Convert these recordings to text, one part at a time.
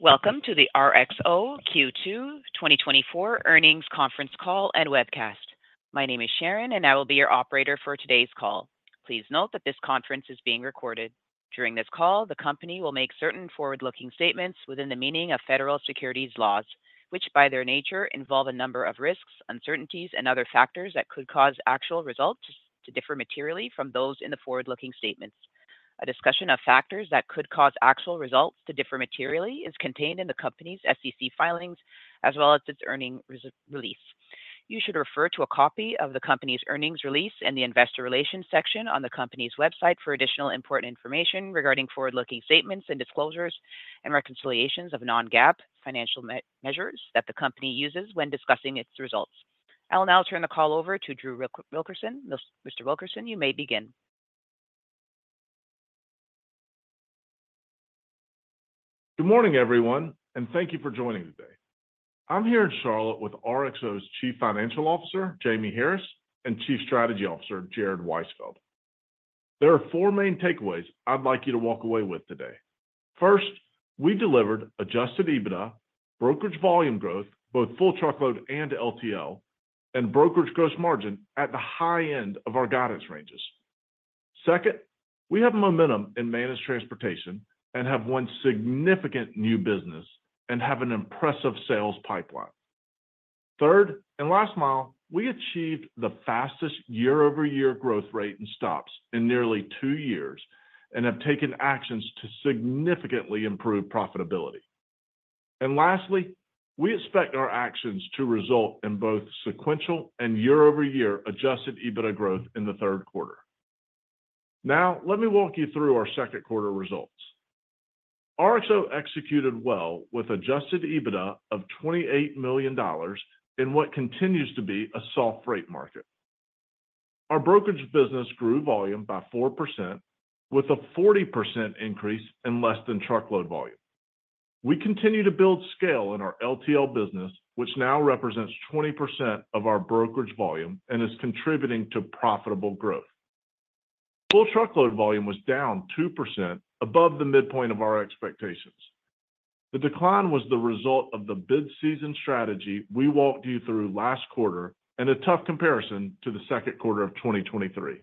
Welcome to the RXO Q2 2024 earnings conference call and webcast. My name is Sharon, and I will be your operator for today's call. Please note that this conference is being recorded. During this call, the company will make certain forward-looking statements within the meaning of federal securities laws, which, by their nature, involve a number of risks, uncertainties, and other factors that could cause actual results to differ materially from those in the forward-looking statements. A discussion of factors that could cause actual results to differ materially is contained in the company's SEC filings, as well as its earnings release. You should refer to a copy of the company's earnings release in the investor relations section on the company's website for additional important information regarding forward-looking statements and disclosures and reconciliations of non-GAAP financial measures that the company uses when discussing its results. I'll now turn the call over to Drew Wilkerson. Mr. Wilkerson, you may begin. Good morning, everyone, and thank you for joining today. I'm here in Charlotte with RXO's Chief Financial Officer, Jamie Harris, and Chief Strategy Officer, Jared Weisfeld. There are four main takeaways I'd like you to walk away with today. First, we delivered adjusted EBITDA, brokerage volume growth, both full truckload and LTL, and brokerage gross margin at the high end of our guidance ranges. Second, we have momentum in managed transportation and have won significant new business and have an impressive sales pipeline. Third, in Last Mile, we achieved the fastest year-over-year growth rate in stops in nearly two years and have taken actions to significantly improve profitability. And lastly, we expect our actions to result in both sequential and year-over-year adjusted EBITDA growth in the third quarter. Now, let me walk you through our second quarter results. RXO executed well with adjusted EBITDA of $28 million in what continues to be a soft freight market. Our brokerage business grew volume by 4%, with a 40% increase in less-than-truckload volume. We continue to build scale in our LTL business, which now represents 20% of our brokerage volume and is contributing to profitable growth. Full truckload volume was down 2% above the midpoint of our expectations. The decline was the result of the bid season strategy we walked you through last quarter and a tough comparison to the second quarter of 2023.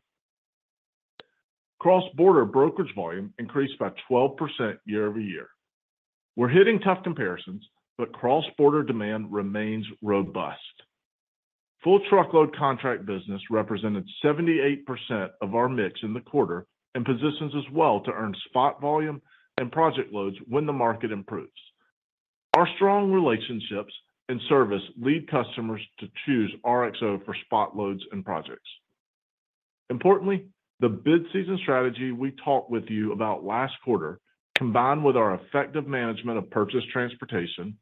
Cross-border brokerage volume increased by 12% year-over-year. We're hitting tough comparisons, but cross-border demand remains robust. Full truckload contract business represented 78% of our mix in the quarter and positions us well to earn spot volume and project loads when the market improves. Our strong relationships and service lead customers to choose RXO for spot loads and projects. Importantly, the bid season strategy we talked with you about last quarter, combined with our effective management of purchased transportation,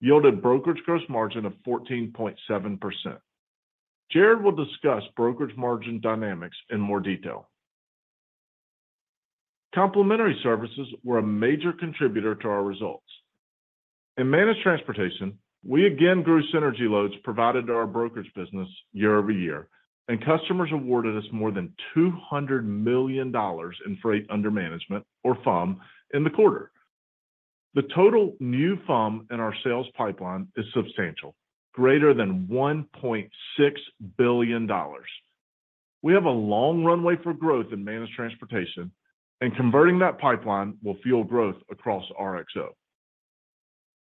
yielded brokerage gross margin of 14.7%. Jared will discuss brokerage margin dynamics in more detail. Complementary services were a major contributor to our results. In managed transportation, we again grew synergy loads provided to our brokerage business year-over-year, and customers awarded us more than $200 million in Freight Under Management, or FUM, in the quarter. The total new FUM in our sales pipeline is substantial, greater than $1.6 billion. We have a long runway for growth in managed transportation, and converting that pipeline will fuel growth across RXO.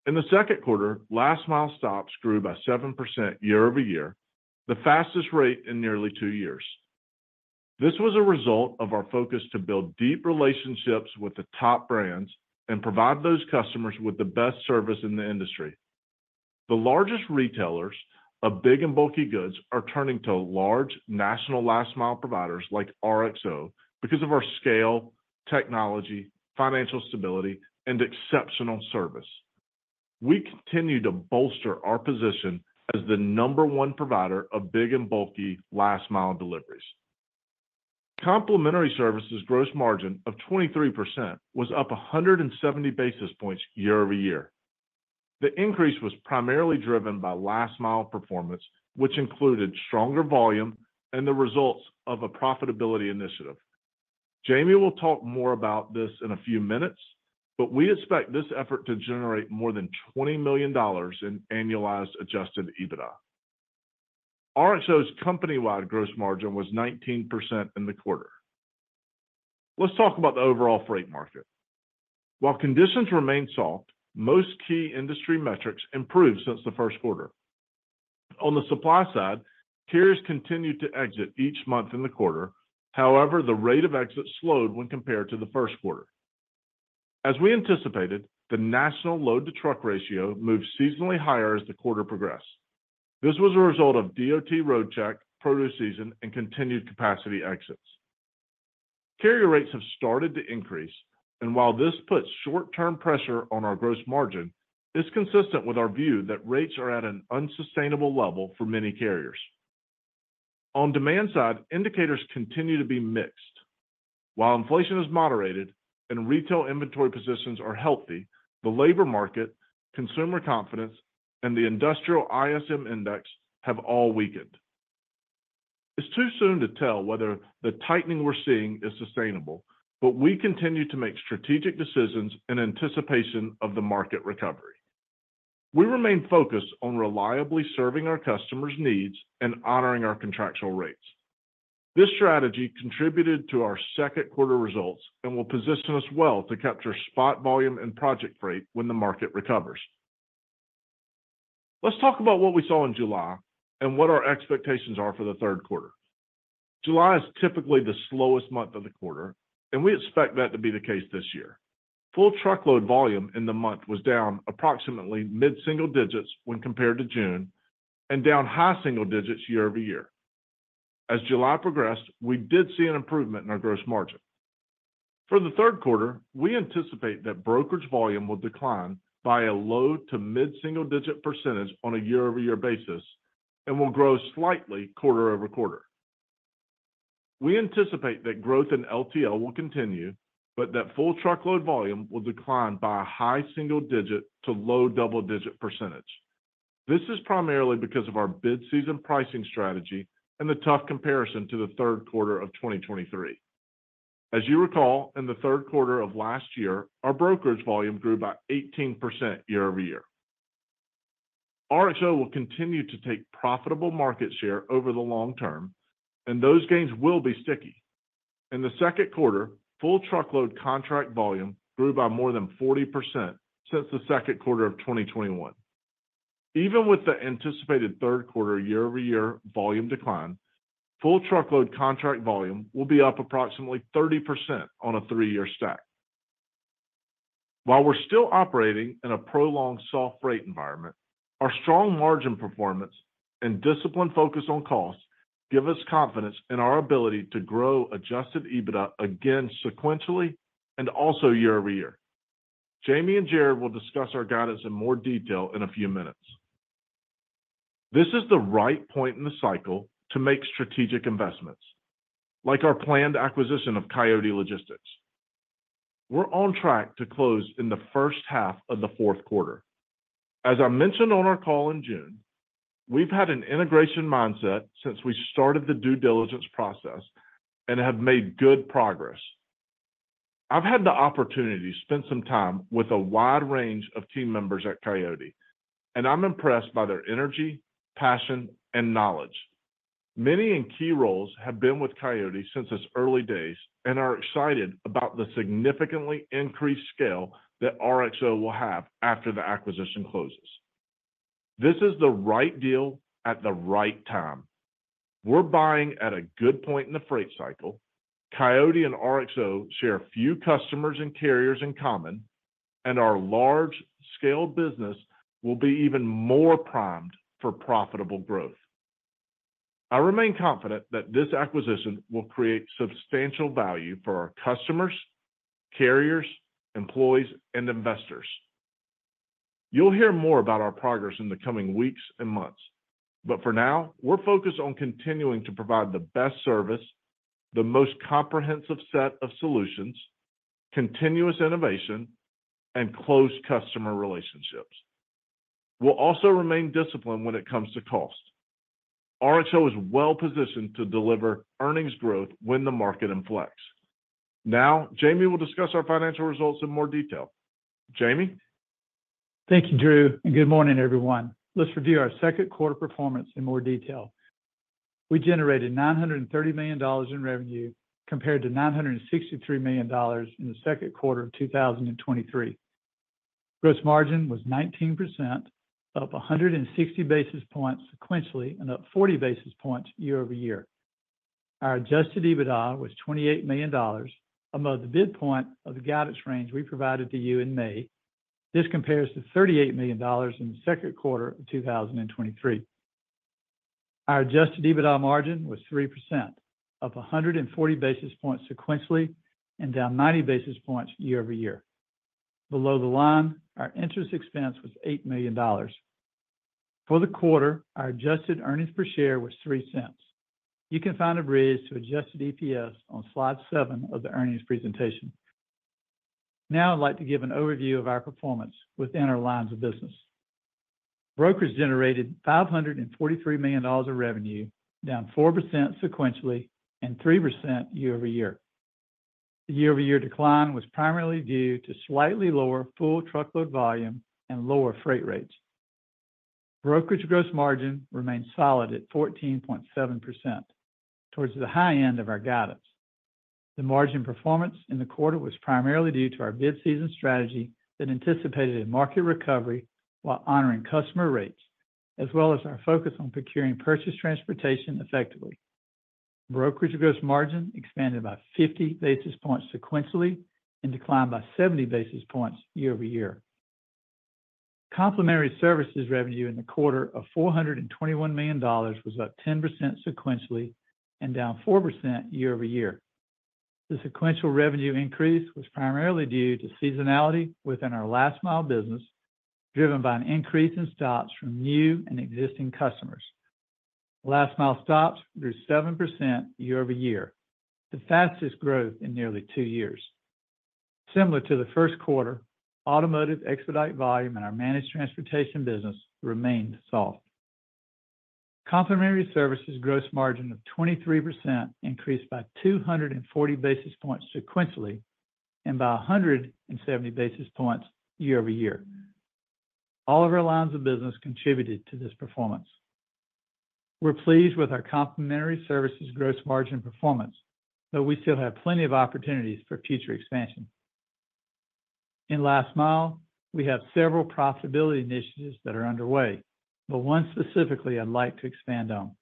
In the second quarter, Last Mile stops grew by 7% year-over-year, the fastest rate in nearly 2 years. This was a result of our focus to build deep relationships with the top brands and provide those customers with the best service in the industry. The largest retailers of big and bulky goods are turning to large national Last Mile providers like RXO because of our scale, technology, financial stability, and exceptional service. We continue to bolster our position as the number one provider of big and bulky Last Mile deliveries. Complementary services gross margin of 23% was up 170 basis points year-over-year. The increase was primarily driven by Last Mile performance, which included stronger volume and the results of a profitability initiative. Jamie will talk more about this in a few minutes, but we expect this effort to generate more than $20 million in annualized adjusted EBITDA. RXO's company-wide gross margin was 19% in the quarter. Let's talk about the overall freight market. While conditions remain soft, most key industry metrics improved since the first quarter. On the supply side, carriers continued to exit each month in the quarter. However, the rate of exit slowed when compared to the first quarter. As we anticipated, the national load-to-truck ratio moved seasonally higher as the quarter progressed. This was a result of DOT Roadcheck, produce season, and continued capacity exits. Carrier rates have started to increase, and while this puts short-term pressure on our gross margin, it's consistent with our view that rates are at an unsustainable level for many carriers. On demand side, indicators continue to be mixed. While inflation is moderated and retail inventory positions are healthy, the labor market, consumer confidence, and the industrial ISM index have all weakened. It's too soon to tell whether the tightening we're seeing is sustainable, but we continue to make strategic decisions in anticipation of the market recovery. We remain focused on reliably serving our customers' needs and honoring our contractual rates. This strategy contributed to our second quarter results and will position us well to capture spot volume and project freight when the market recovers. Let's talk about what we saw in July and what our expectations are for the third quarter. July is typically the slowest month of the quarter, and we expect that to be the case this year. Full truckload volume in the month was down approximately mid-single digits when compared to June, and down high single digits year-over-year. As July progressed, we did see an improvement in our gross margin. For the third quarter, we anticipate that brokerage volume will decline by a low- to mid-single-digit percentage on a year-over-year basis and will grow slightly quarter-over-quarter. We anticipate that growth in LTL will continue, but that full truckload volume will decline by a high-single-digit to low-double-digit %. This is primarily because of our bid season pricing strategy and the tough comparison to the third quarter of 2023. As you recall, in the third quarter of last year, our brokerage volume grew by 18% year-over-year. RXO will continue to take profitable market share over the long term, and those gains will be sticky. In the second quarter, full truckload contract volume grew by more than 40% since the second quarter of 2021. Even with the anticipated third quarter year-over-year volume decline, full truckload contract volume will be up approximately 30% on a three-year stack. While we're still operating in a prolonged soft freight environment, our strong margin performance and disciplined focus on cost give us confidence in our ability to grow adjusted EBITDA again, sequentially, and also year-over-year. Jamie and Jared will discuss our guidance in more detail in a few minutes. This is the right point in the cycle to make strategic investments, like our planned acquisition of Coyote Logistics. We're on track to close in the first half of the fourth quarter. As I mentioned on our call in June, we've had an integration mindset since we started the due diligence process and have made good progress. I've had the opportunity to spend some time with a wide range of team members at Coyote, and I'm impressed by their energy, passion, and knowledge. Many in key roles have been with Coyote since its early days and are excited about the significantly increased scale that RXO will have after the acquisition closes. This is the right deal at the right time. We're buying at a good point in the freight cycle. Coyote and RXO share a few customers and carriers in common, and our large-scale business will be even more primed for profitable growth. I remain confident that this acquisition will create substantial value for our customers, carriers, employees, and investors. You'll hear more about our progress in the coming weeks and months, but for now, we're focused on continuing to provide the best service, the most comprehensive set of solutions, continuous innovation, and close customer relationships. We'll also remain disciplined when it comes to cost. RXO is well positioned to deliver earnings growth when the market inflects. Now, Jamie will discuss our financial results in more detail. Jamie? Thank you, Drew, and good morning, everyone. Let's review our second quarter performance in more detail. We generated $930 million in revenue, compared to $963 million in the second quarter of 2023. Gross margin was 19%, up 160 basis points sequentially, and up 40 basis points year-over-year. Our Adjusted EBITDA was $28 million, above the midpoint of the guidance range we provided to you in May. This compares to $38 million in the second quarter of 2023. Our adjusted EBITDA margin was 3%, up 140 basis points sequentially, and down 90 basis points year-over-year. Below the line, our interest expense was $8 million. For the quarter, our adjusted earnings per share was $0.03. You can find a bridge to adjusted EPS on slide 7 of the earnings presentation. Now, I'd like to give an overview of our performance within our lines of business. Brokers generated $543 million of revenue, down 4% sequentially and 3% year-over-year. The year-over-year decline was primarily due to slightly lower full truckload volume and lower freight rates. Brokerage gross margin remained solid at 14.7%, towards the high end of our guidance. The margin performance in the quarter was primarily due to our bid season strategy that anticipated a market recovery while honoring customer rates, as well as our focus on procuring purchase transportation effectively. Brokerage gross margin expanded by 50 basis points sequentially and declined by 70 basis points year-over-year. Complementary services revenue in the quarter of $421 million was up 10% sequentially and down 4% year-over-year. The sequential revenue increase was primarily due to seasonality within our last mile business, driven by an increase in stops from new and existing customers. Last mile stops grew 7% year-over-year, the fastest growth in nearly two years.... Similar to the first quarter, automotive expedite volume in our managed transportation business remained soft. Complementary services gross margin of 23% increased by 240 basis points sequentially, and by 170 basis points year-over-year. All of our lines of business contributed to this performance. We're pleased with our complementary services gross margin performance, though we still have plenty of opportunities for future expansion. In last mile, we have several profitability initiatives that are underway, but one specifically I'd like to expand on.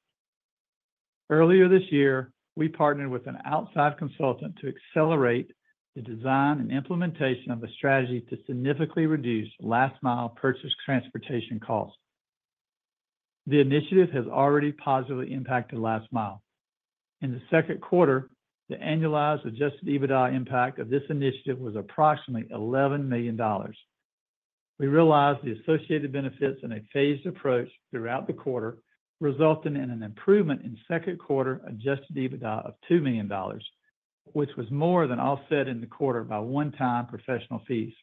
Earlier this year, we partnered with an outside consultant to accelerate the design and implementation of a strategy to significantly reduce last-mile purchase transportation costs. The initiative has already positively impacted last mile. In the second quarter, the annualized adjusted EBITDA impact of this initiative was approximately $11 million. We realized the associated benefits in a phased approach throughout the quarter, resulting in an improvement in second quarter adjusted EBITDA of $2 million, which was more than offset in the quarter by one-time professional fees.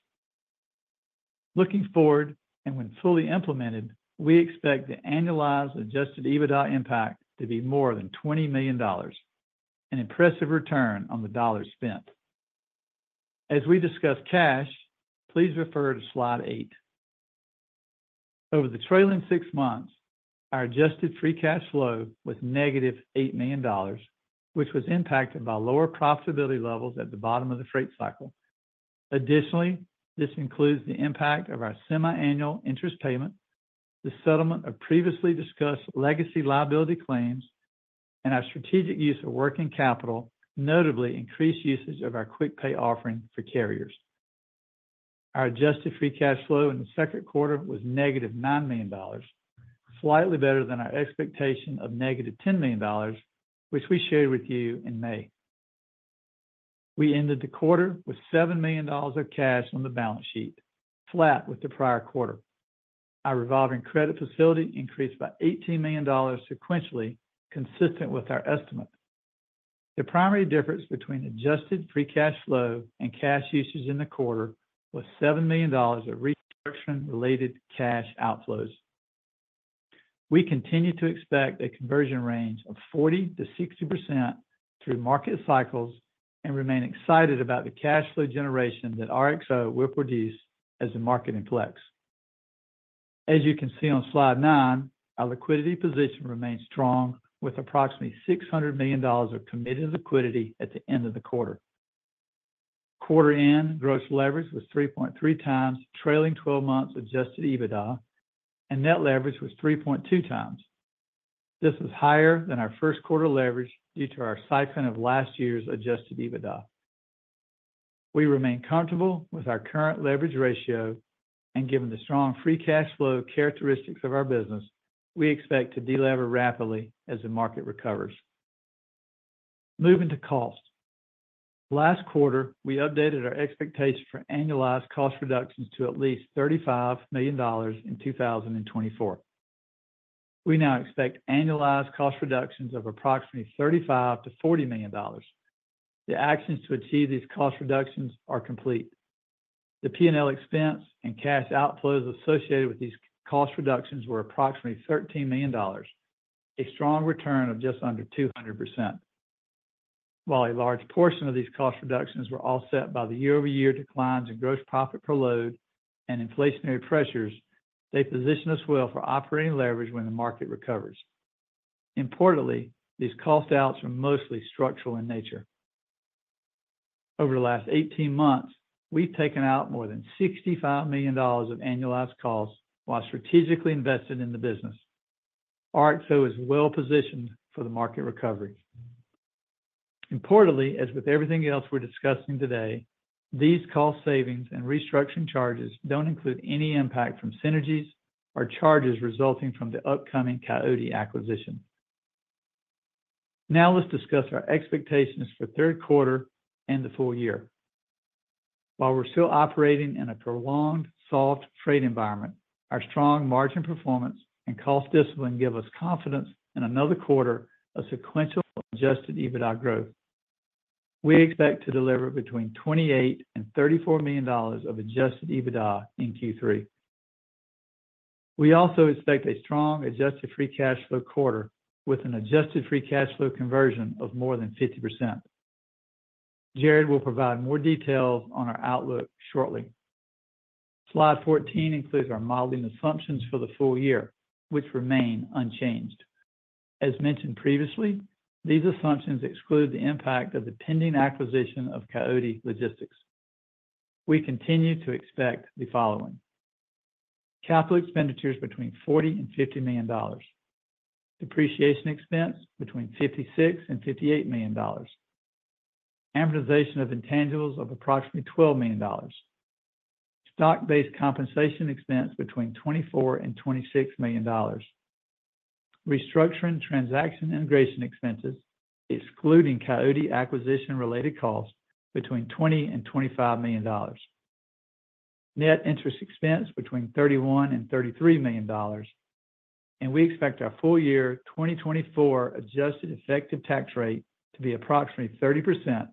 Looking forward, and when fully implemented, we expect the annualized adjusted EBITDA impact to be more than $20 million, an impressive return on the dollars spent. As we discuss cash, please refer to slide 8. Over the trailing six months, our Adjusted Free Cash Flow was negative $8 million, which was impacted by lower profitability levels at the bottom of the freight cycle. Additionally, this includes the impact of our semi-annual interest payment, the settlement of previously discussed legacy liability claims, and our strategic use of working capital, notably increased usage of our Quick Pay offering for carriers. Our Adjusted Free Cash Flow in the second quarter was negative $9 million, slightly better than our expectation of negative $10 million, which we shared with you in May. We ended the quarter with $7 million of cash on the balance sheet, flat with the prior quarter. Our revolving credit facility increased by $18 million sequentially, consistent with our estimate. The primary difference between Adjusted Free Cash Flow and cash usage in the quarter was $7 million of restructuring-related cash outflows. We continue to expect a conversion range of 40%-60% through market cycles, and remain excited about the cash flow generation that RXO will produce as the market inflects. As you can see on slide 9, our liquidity position remains strong, with approximately $600 million of committed liquidity at the end of the quarter. Quarter-end gross leverage was 3.3x trailing twelve months adjusted EBITDA, and net leverage was 3.2x. This is higher than our first quarter leverage due to our cycling of last year's adjusted EBITDA. We remain comfortable with our current leverage ratio, and given the strong free cash flow characteristics of our business, we expect to deliver rapidly as the market recovers. Moving to costs. Last quarter, we updated our expectations for annualized cost reductions to at least $35 million in 2024. We now expect annualized cost reductions of approximately $35 million-$40 million. The actions to achieve these cost reductions are complete. The P&L expense and cash outflows associated with these cost reductions were approximately $13 million, a strong return of just under 200%. While a large portion of these cost reductions were offset by the year-over-year declines in gross profit per load and inflationary pressures, they position us well for operating leverage when the market recovers. Importantly, these cost outs are mostly structural in nature. Over the last 18 months, we've taken out more than $65 million of annualized costs while strategically investing in the business. RXO is well positioned for the market recovery. Importantly, as with everything else we're discussing today, these cost savings and restructuring charges don't include any impact from synergies or charges resulting from the upcoming Coyote acquisition. Now, let's discuss our expectations for third quarter and the full year. While we're still operating in a prolonged soft freight environment, our strong margin performance and cost discipline give us confidence in another quarter of sequential adjusted EBITDA growth. We expect to deliver between $28 million and $34 million of adjusted EBITDA in Q3. We also expect a strong Adjusted Free Cash Flow quarter, with an Adjusted Free Cash Flow conversion of more than 50%. Jared will provide more details on our outlook shortly. Slide 14 includes our modeling assumptions for the full year, which remain unchanged. As mentioned previously, these assumptions exclude the impact of the pending acquisition of Coyote Logistics. We continue to expect the following: capital expenditures between $40 million and $50 million, depreciation expense between $56 million and $58 million, amortization of intangibles of approximately $12 million, stock-based compensation expense between $24 million and $26 million. Restructuring, transaction, and integration expenses, excluding Coyote acquisition-related costs, between $20 million and $25 million.... net interest expense between $31 million and $33 million, and we expect our full year 2024 adjusted effective tax rate to be approximately 30%,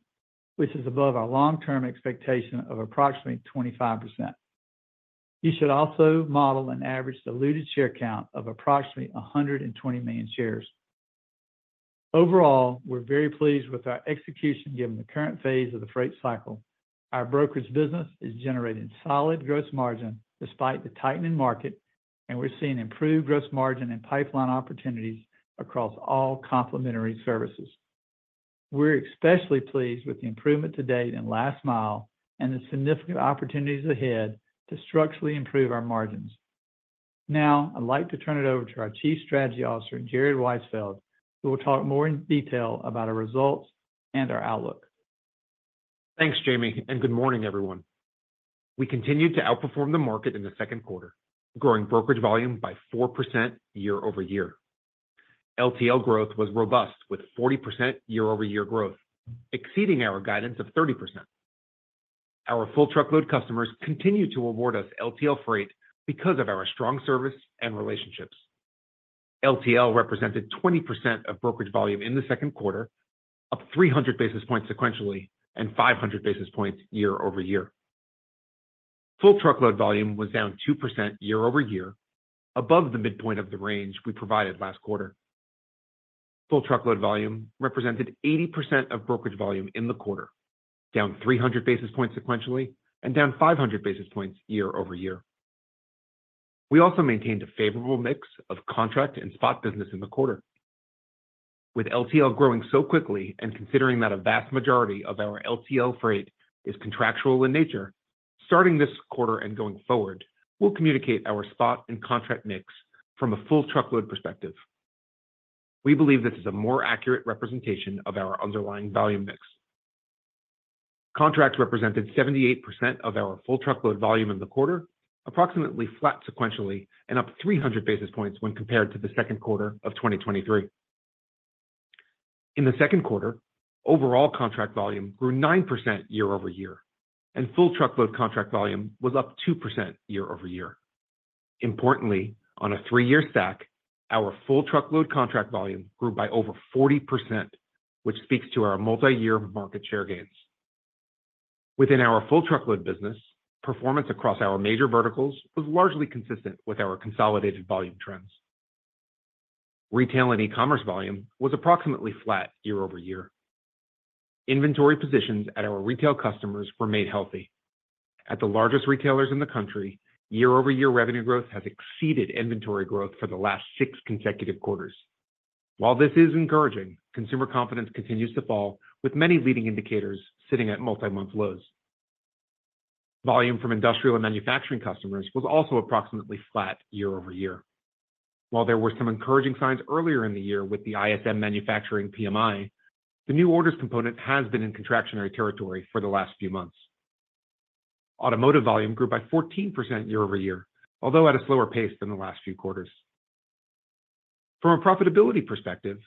which is above our long-term expectation of approximately 25%. You should also model an average diluted share count of approximately 120 million shares. Overall, we're very pleased with our execution, given the current phase of the freight cycle. Our brokerage business is generating solid gross margin despite the tightening market, and we're seeing improved gross margin and pipeline opportunities across all complementary services. We're especially pleased with the improvement to date in last mile and the significant opportunities ahead to structurally improve our margins. Now, I'd like to turn it over to our Chief Strategy Officer, Jared Weisfeld, who will talk more in detail about our results and our outlook. Thanks, Jamie, and good morning, everyone. We continued to outperform the market in the second quarter, growing brokerage volume by 4% year over year. LTL growth was robust, with 40% year-over-year growth, exceeding our guidance of 30%. Our full truckload customers continued to award us LTL freight because of our strong service and relationships. LTL represented 20% of brokerage volume in the second quarter, up 300 basis points sequentially and 500 basis points year over year. Full truckload volume was down 2% year-over-year, above the midpoint of the range we provided last quarter. Full truckload volume represented 80% of brokerage volume in the quarter, down 300 basis points sequentially and down 500 basis points year-over-year. We also maintained a favorable mix of contract and spot business in the quarter. With LTL growing so quickly and considering that a vast majority of our LTL freight is contractual in nature, starting this quarter and going forward, we'll communicate our spot and contract mix from a full truckload perspective. We believe this is a more accurate representation of our underlying volume mix. Contracts represented 78% of our full truckload volume in the quarter, approximately flat sequentially and up 300 basis points when compared to the second quarter of 2023. In the second quarter, overall contract volume grew 9% year-over-year, and full truckload contract volume was up 2% year-over-year. Importantly, on a 3-year stack, our full truckload contract volume grew by over 40%, which speaks to our multi-year market share gains. Within our full truckload business, performance across our major verticals was largely consistent with our consolidated volume trends. Retail and e-commerce volume was approximately flat year-over-year. Inventory positions at our retail customers remained healthy. At the largest retailers in the country, year-over-year revenue growth has exceeded inventory growth for the last six consecutive quarters. While this is encouraging, consumer confidence continues to fall, with many leading indicators sitting at multi-month lows. Volume from industrial and manufacturing customers was also approximately flat year-over-year. While there were some encouraging signs earlier in the year with the ISM Manufacturing PMI, the new orders component has been in contractionary territory for the last few months. Automotive volume grew by 14% year-over-year, although at a slower pace than the last few quarters. From a profitability perspective,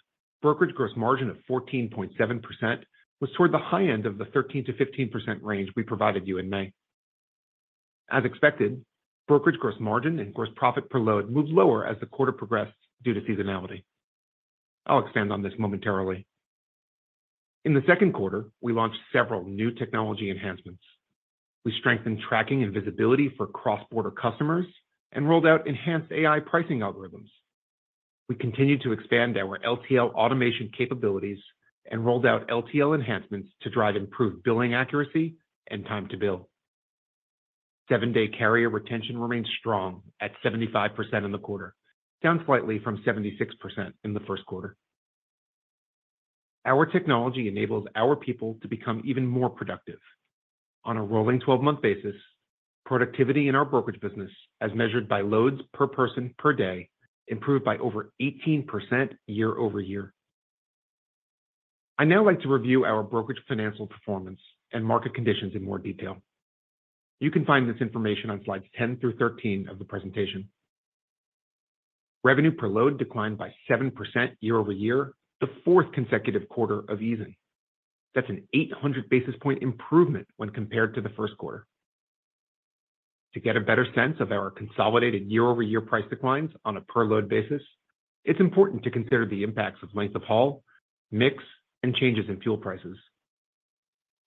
brokerage gross margin of 14.7% was toward the high end of the 13%-15% range we provided you in May. As expected, brokerage gross margin and gross profit per load moved lower as the quarter progressed due to seasonality. I'll expand on this momentarily. In the second quarter, we launched several new technology enhancements. We strengthened tracking and visibility for cross-border customers and rolled out enhanced AI pricing algorithms. We continued to expand our LTL automation capabilities and rolled out LTL enhancements to drive improved billing accuracy and time to bill. Seven-day carrier retention remains strong at 75% in the quarter, down slightly from 76% in the first quarter. Our technology enables our people to become even more productive. On a rolling 12-month basis, productivity in our brokerage business, as measured by loads per person per day, improved by over 18% year-over-year. I'd now like to review our brokerage financial performance and market conditions in more detail. You can find this information on slides 10 through 13 of the presentation. Revenue per load declined by 7% year-over-year, the fourth consecutive quarter of easing. That's an 800 basis point improvement when compared to the first quarter. To get a better sense of our consolidated year-over-year price declines on a per-load basis, it's important to consider the impacts of length of haul, mix, and changes in fuel prices.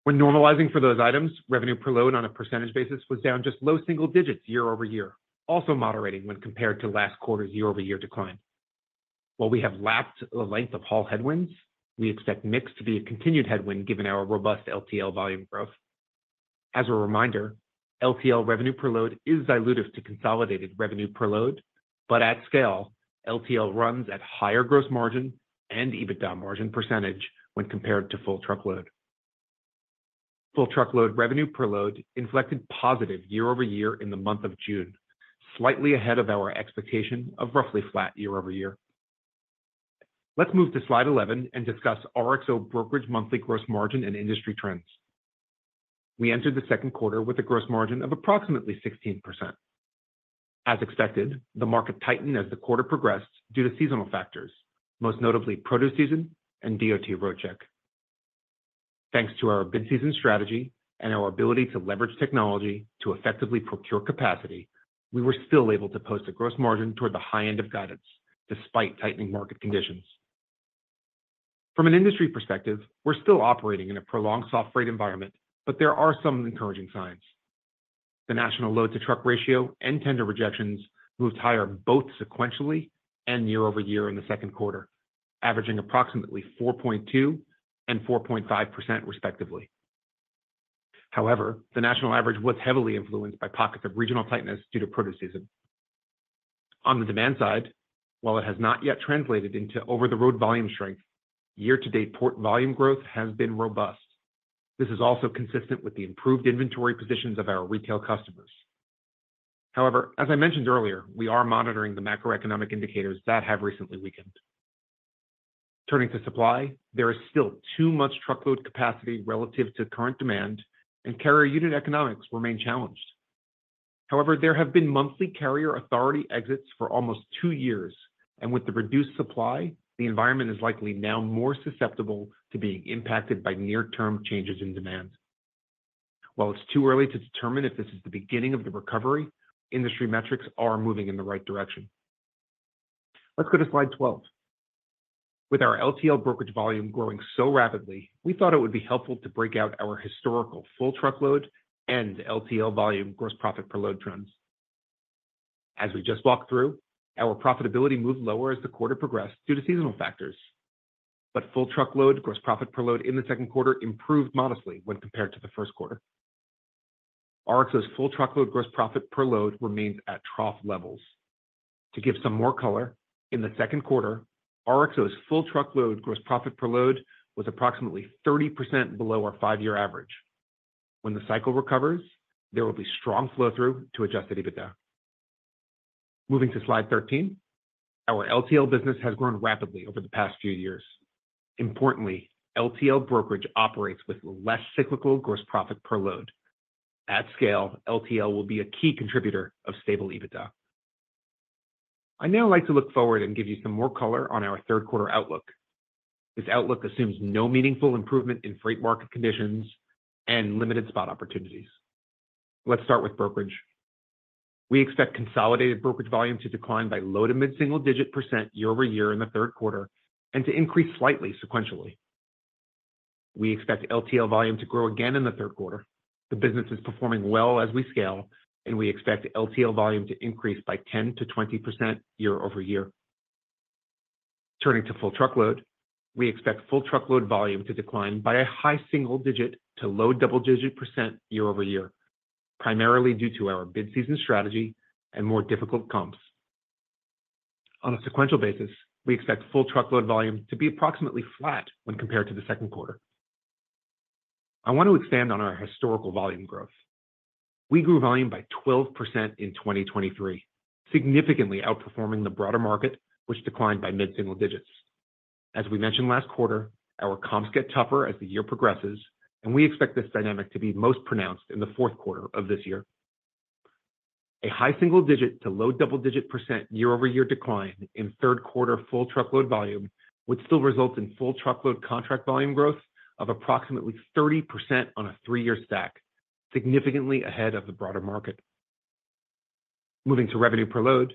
When normalizing for those items, revenue per load on a percentage basis was down just low single digits year-over-year, also moderating when compared to last quarter's year-over-year decline. While we have lapped the length of haul headwinds, we expect mix to be a continued headwind given our robust LTL volume growth. As a reminder, LTL revenue per load is dilutive to consolidated revenue per load, but at scale, LTL runs at higher gross margin and EBITDA margin percentage when compared to full truckload. Full truckload revenue per load inflected positive year-over-year in the month of June, slightly ahead of our expectation of roughly flat year-over-year. Let's move to slide 11 and discuss RXO brokerage monthly gross margin and industry trends. We entered the second quarter with a gross margin of approximately 16%. As expected, the market tightened as the quarter progressed due to seasonal factors, most notably produce season and DOT Roadcheck. Thanks to our bid-season strategy and our ability to leverage technology to effectively procure capacity, we were still able to post a gross margin toward the high end of guidance, despite tightening market conditions. From an industry perspective, we're still operating in a prolonged soft freight environment, but there are some encouraging signs. The national load-to-truck ratio and tender rejections moved higher, both sequentially and year-over-year in the second quarter, averaging approximately 4.2% and 4.5% respectively. However, the national average was heavily influenced by pockets of regional tightness due to produce season. On the demand side, while it has not yet translated into over-the-road volume strength, year-to-date port volume growth has been robust. This is also consistent with the improved inventory positions of our retail customers. However, as I mentioned earlier, we are monitoring the macroeconomic indicators that have recently weakened. Turning to supply, there is still too much truckload capacity relative to current demand, and carrier unit economics remain challenged. However, there have been monthly carrier authority exits for almost two years, and with the reduced supply, the environment is likely now more susceptible to being impacted by near-term changes in demand. While it's too early to determine if this is the beginning of the recovery, industry metrics are moving in the right direction. Let's go to slide 12. With our LTL brokerage volume growing so rapidly, we thought it would be helpful to break out our historical full truckload and LTL volume gross profit per load trends. As we just walked through, our profitability moved lower as the quarter progressed due to seasonal factors, but full truckload gross profit per load in the second quarter improved modestly when compared to the first quarter. RXO's full truckload gross profit per load remains at trough levels. To give some more color, in the second quarter, RXO's full truckload gross profit per load was approximately 30% below our five-year average. When the cycle recovers, there will be strong flow-through to adjusted EBITDA. Moving to slide 13. Our LTL business has grown rapidly over the past few years. Importantly, LTL brokerage operates with less cyclical gross profit per load. At scale, LTL will be a key contributor of stable EBITDA. I'd now like to look forward and give you some more color on our third quarter outlook. This outlook assumes no meaningful improvement in freight market conditions and limited spot opportunities. Let's start with brokerage. We expect consolidated brokerage volume to decline by low- to mid-single-digit percent year-over-year in the third quarter, and to increase slightly sequentially. We expect LTL volume to grow again in the third quarter. The business is performing well as we scale, and we expect LTL volume to increase by 10%-20% year-over-year. Turning to full truckload, we expect full truckload volume to decline by a high single-digit to low double-digit percent year-over-year, primarily due to our mid-season strategy and more difficult comps. On a sequential basis, we expect full truckload volume to be approximately flat when compared to the second quarter. I want to expand on our historical volume growth. We grew volume by 12% in 2023, significantly outperforming the broader market, which declined by mid-single digits. As we mentioned last quarter, our comps get tougher as the year progresses, and we expect this dynamic to be most pronounced in the fourth quarter of this year. A high single-digit to low double-digit percent year-over-year decline in third quarter full truckload volume would still result in full truckload contract volume growth of approximately 30% on a three-year stack, significantly ahead of the broader market. Moving to revenue per load,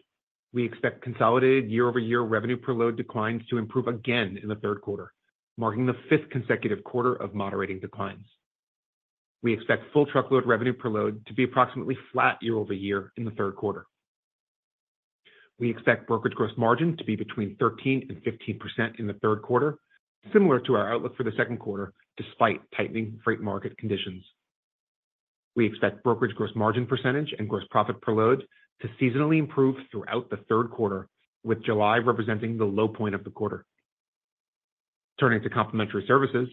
we expect consolidated year-over-year revenue per load declines to improve again in the third quarter, marking the fifth consecutive quarter of moderating declines. We expect full truckload revenue per load to be approximately flat year-over-year in the third quarter. We expect brokerage gross margin to be between 13% and 15% in the third quarter, similar to our outlook for the second quarter, despite tightening freight market conditions. We expect brokerage gross margin percentage and gross profit per load to seasonally improve throughout the third quarter, with July representing the low point of the quarter. Turning to complementary services.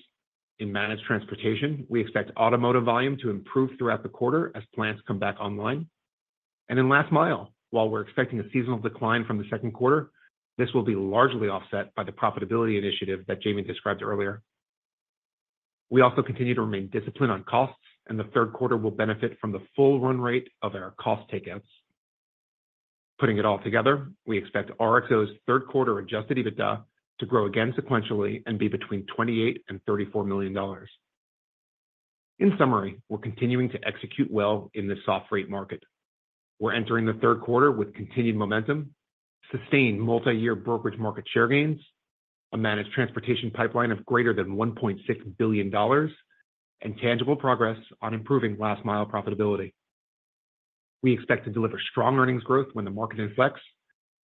In managed transportation, we expect automotive volume to improve throughout the quarter as plants come back online. In last mile, while we're expecting a seasonal decline from the second quarter, this will be largely offset by the profitability initiative that Jamie described earlier. We also continue to remain disciplined on costs, and the third quarter will benefit from the full run rate of our cost takeouts. Putting it all together, we expect RXO's third quarter adjusted EBITDA to grow again sequentially and be between $28 million and $34 million. In summary, we're continuing to execute well in this soft freight market. We're entering the third quarter with continued momentum, sustained multi-year brokerage market share gains, a managed transportation pipeline of greater than $1.6 billion, and tangible progress on improving last-mile profitability. We expect to deliver strong earnings growth when the market inflects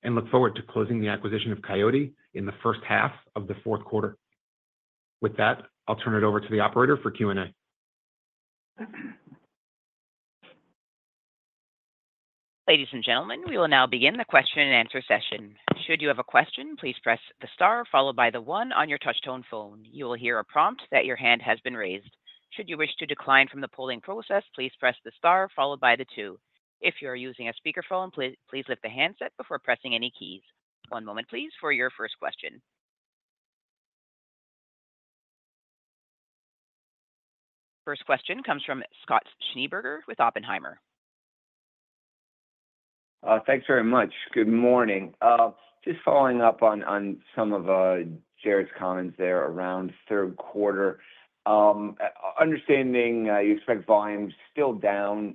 and look forward to closing the acquisition of Coyote in the first half of the fourth quarter. With that, I'll turn it over to the operator for Q&A. Ladies and gentlemen, we will now begin the question-and-answer session. Should you have a question, please press the star followed by the one on your touchtone phone. You will hear a prompt that your hand has been raised. Should you wish to decline from the polling process, please press the star followed by the two. If you are using a speakerphone, please lift the handset before pressing any keys. One moment, please, for your first question. First question comes from Scott Schneeberger with Oppenheimer.... Thanks very much. Good morning. Just following up on some of Jared's comments there around third quarter. Understanding you expect volumes still down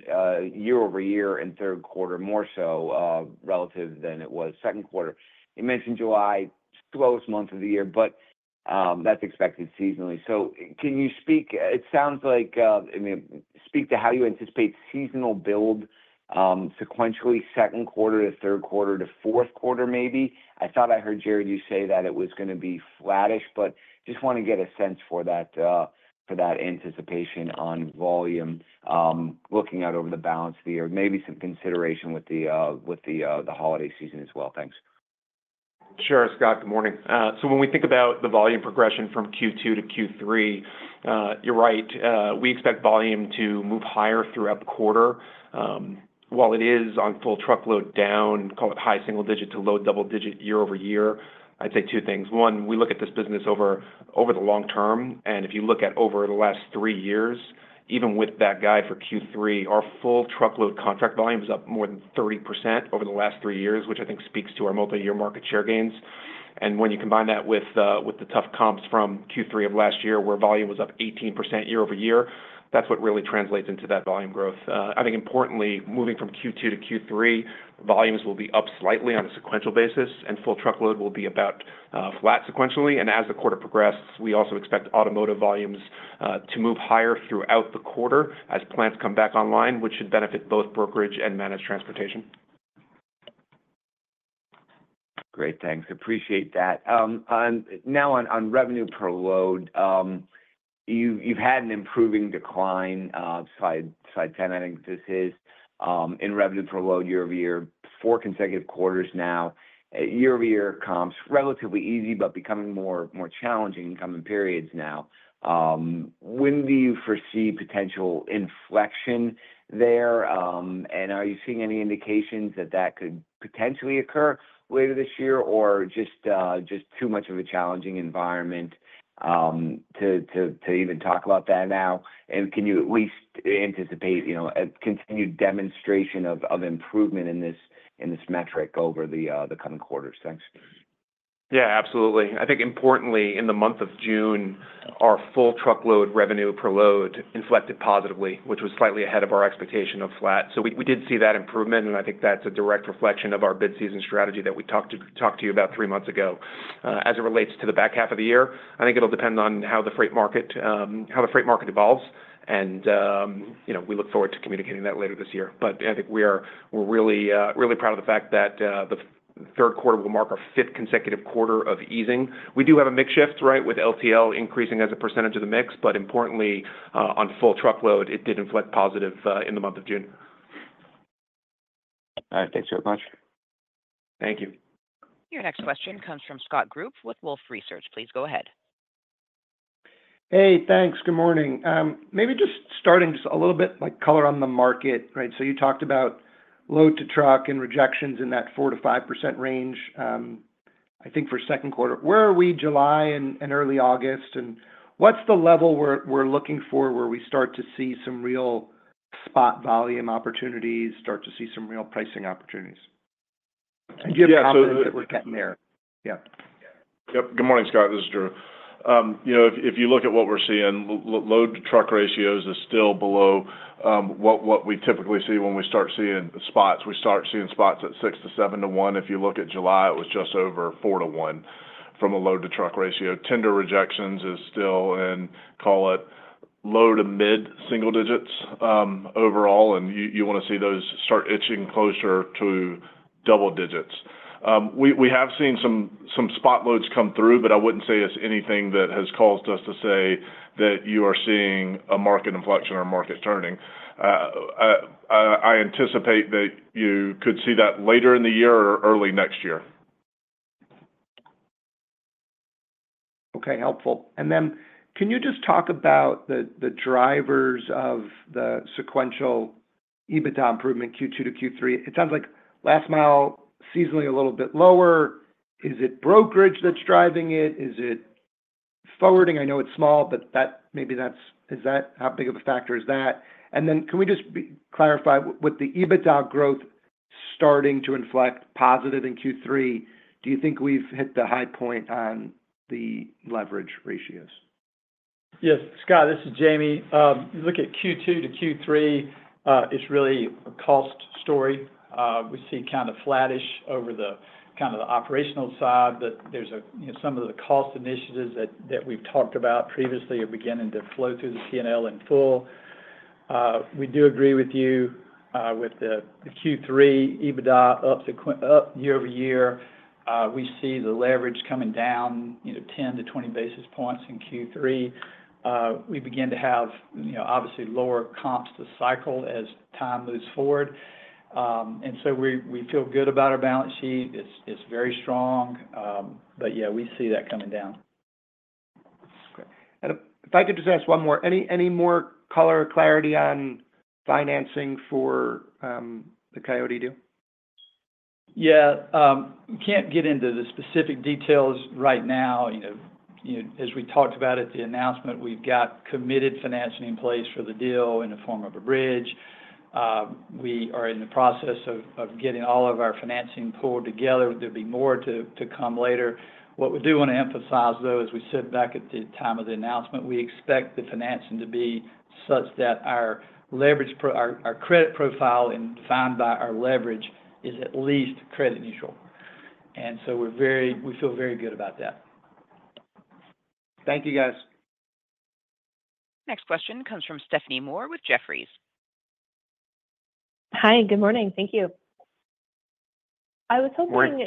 year-over-year in third quarter, more so relative than it was second quarter. You mentioned July, slowest month of the year, but that's expected seasonally. So can you speak to how you anticipate seasonal build sequentially, second quarter to third quarter to fourth quarter, maybe? It sounds like, I mean, speak to how you anticipate seasonal build, sequentially, second quarter to third quarter to fourth quarter, maybe? I thought I heard, Jared, you say that it was gonna be flattish, but just wanna get a sense for that, for that anticipation on volume, looking out over the balance of the year, maybe some consideration with the holiday season as well. Thanks. Sure, Scott. Good morning. So when we think about the volume progression from Q2 to Q3, you're right, we expect volume to move higher throughout the quarter. While it is on full truckload down, call it high single digit to low double digit year-over-year, I'd say two things. One, we look at this business over, over the long term, and if you look at over the last three years, even with that guide for Q3, our full truckload contract volume is up more than 30% over the last three years, which I think speaks to our multi-year market share gains. And when you combine that with the tough comps from Q3 of last year, where volume was up 18% year-over-year, that's what really translates into that volume growth. I think importantly, moving from Q2 to Q3, volumes will be up slightly on a sequential basis, and Full Truckload will be about flat sequentially. As the quarter progresses, we also expect automotive volumes to move higher throughout the quarter as plants come back online, which should benefit both brokerage and Managed Transportation. Great, thanks. Appreciate that. Now on revenue per load, you've had an improving decline, slide 10, I think this is in revenue per load year-over-year, 4 consecutive quarters now. Year-over-year comps, relatively easy, but becoming more challenging in coming periods now. When do you foresee potential inflection there? And are you seeing any indications that that could potentially occur later this year, or just too much of a challenging environment to even talk about that now? And can you at least anticipate, you know, a continued demonstration of improvement in this metric over the coming quarters? Thanks. Yeah, absolutely. I think importantly, in the month of June, our full truckload revenue per load inflected positively, which was slightly ahead of our expectation of flat. So we did see that improvement, and I think that's a direct reflection of our bid season strategy that we talked to you about three months ago. As it relates to the back half of the year, I think it'll depend on how the freight market evolves, and, you know, we look forward to communicating that later this year. But I think we're really, really proud of the fact that the third quarter will mark our fifth consecutive quarter of easing. We do have a mix shift, right, with LTL increasing as a percentage of the mix, but importantly, on full truckload, it did inflect positive in the month of June. All right. Thanks so much. Thank you. Your next question comes from Scott Group with Wolfe Research. Please go ahead. Hey, thanks. Good morning. Maybe just starting just a little bit, like, color on the market, right? So you talked about load-to-truck and rejections in that 4%-5% range, I think for second quarter. Where are we July and early August, and what's the level we're looking for, where we start to see some real spot volume opportunities, start to see some real pricing opportunities? Yeah, so- Do you have confidence that we're getting there? Yeah. Yep. Good morning, Scott. This is Drew. You know, if you look at what we're seeing, load-to-truck ratios is still below what we typically see when we start seeing spots. We start seeing spots at 6-to-1 to 7-to-1. If you look at July, it was just over 4-to-1 from a load-to-truck ratio. Tender rejections is still in, call it, low- to mid-single digits overall, and you want to see those start inching closer to double digits. We have seen some spot loads come through, but I wouldn't say it's anything that has caused us to say that you are seeing a market inflection or a market turning. I anticipate that you could see that later in the year or early next year. Okay, helpful. And then can you just talk about the drivers of the sequential EBITDA improvement, Q2 to Q3? It sounds like last mile, seasonally a little bit lower. Is it brokerage that's driving it? Is it forwarding? I know it's small, but that maybe that's. Is that how big of a factor is that? And then can we just clarify, with the EBITDA growth starting to inflect positive in Q3, do you think we've hit the high point on the leverage ratios? Yes, Scott, this is Jamie. You look at Q2 to Q3, it's really a cost story. We see kind of flattish over the kind of the operational side, that there's a, you know, some of the cost initiatives that, that we've talked about previously are beginning to flow through the PNL in full. We do agree with you, with the Q3 EBITDA up year-over-year. We see the leverage coming down, you know, 10-20 basis points in Q3. We begin to have, you know, obviously lower comps to cycle as time moves forward. And so we, we feel good about our balance sheet. It's, it's very strong, but yeah, we see that coming down. Okay. And if I could just ask one more. Any, any more color or clarity on financing for, the Coyote deal?... Yeah, can't get into the specific details right now. You know, as we talked about at the announcement, we've got committed financing in place for the deal in the form of a bridge. We are in the process of getting all of our financing pulled together. There'll be more to come later. What we do want to emphasize, though, as we said back at the time of the announcement, we expect the financing to be such that our leverage profile, our credit profile as defined by our leverage, is at least credit neutral. And so we feel very good about that. Thank you, guys. Next question comes from Stephanie Moore with Jefferies. Hi, good morning. Thank you. Morning.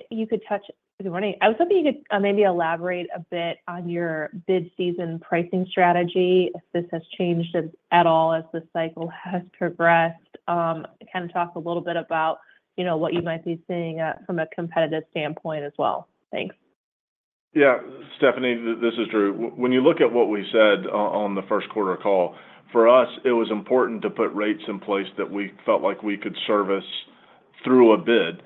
Good morning. I was hoping you could maybe elaborate a bit on your bid season pricing strategy, if this has changed at all as the cycle has progressed. Kind of talk a little bit about, you know, what you might be seeing from a competitive standpoint as well. Thanks. Yeah, Stephanie, this is Drew. When you look at what we said on the first quarter call, for us, it was important to put rates in place that we felt like we could service through a bid.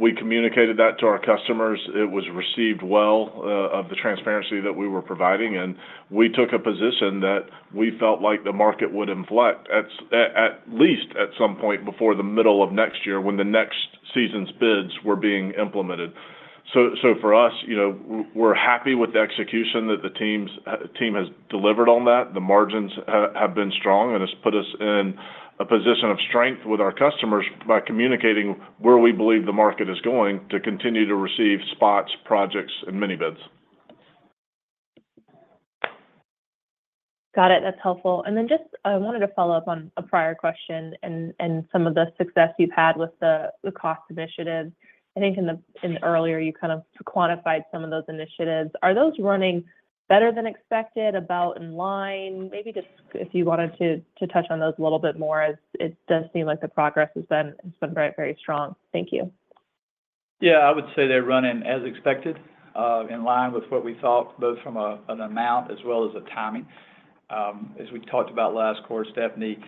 We communicated that to our customers. It was received well of the transparency that we were providing, and we took a position that we felt like the market would inflect at least at some point before the middle of next year, when the next season's bids were being implemented. So for us, you know, we're happy with the execution that the teams, team has delivered on that. The margins have been strong, and it's put us in a position of strength with our customers by communicating where we believe the market is going to continue to receive spots, projects, and mini bids. Got it. That's helpful. And then just I wanted to follow up on a prior question and some of the success you've had with the cost initiatives. I think in the earlier, you kind of quantified some of those initiatives. Are those running better than expected, about in line? Maybe just if you wanted to touch on those a little bit more, as it does seem like the progress has been, it's been very, very strong. Thank you. Yeah, I would say they're running as expected, in line with what we thought, both from a, an amount as well as the timing. As we talked about last quarter, Stephanie,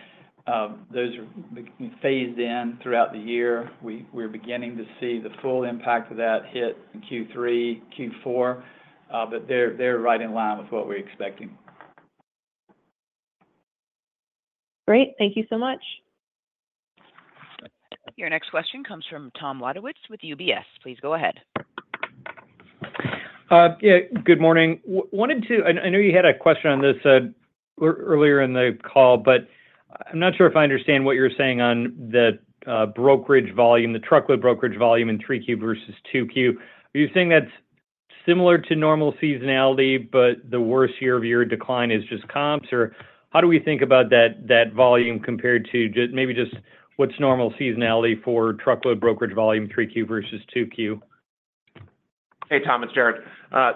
those are being phased in throughout the year. We're beginning to see the full impact of that hit in Q3-Q4, but they're right in line with what we're expecting. Great. Thank you so much. Your next question comes from Tom Wadewitz with UBS. Please go ahead. Yeah, good morning. Wanted to... I know you had a question on this, earlier in the call, but I'm not sure if I understand what you're saying on the brokerage volume, the truckload brokerage volume in 3Q versus 2Q. Are you saying that's similar to normal seasonality, but the worst year-over-year decline is just comps? Or how do we think about that volume compared to just maybe just what's normal seasonality for truckload brokerage volume, 3Q versus 2Q? Hey, Tom, it's Jared.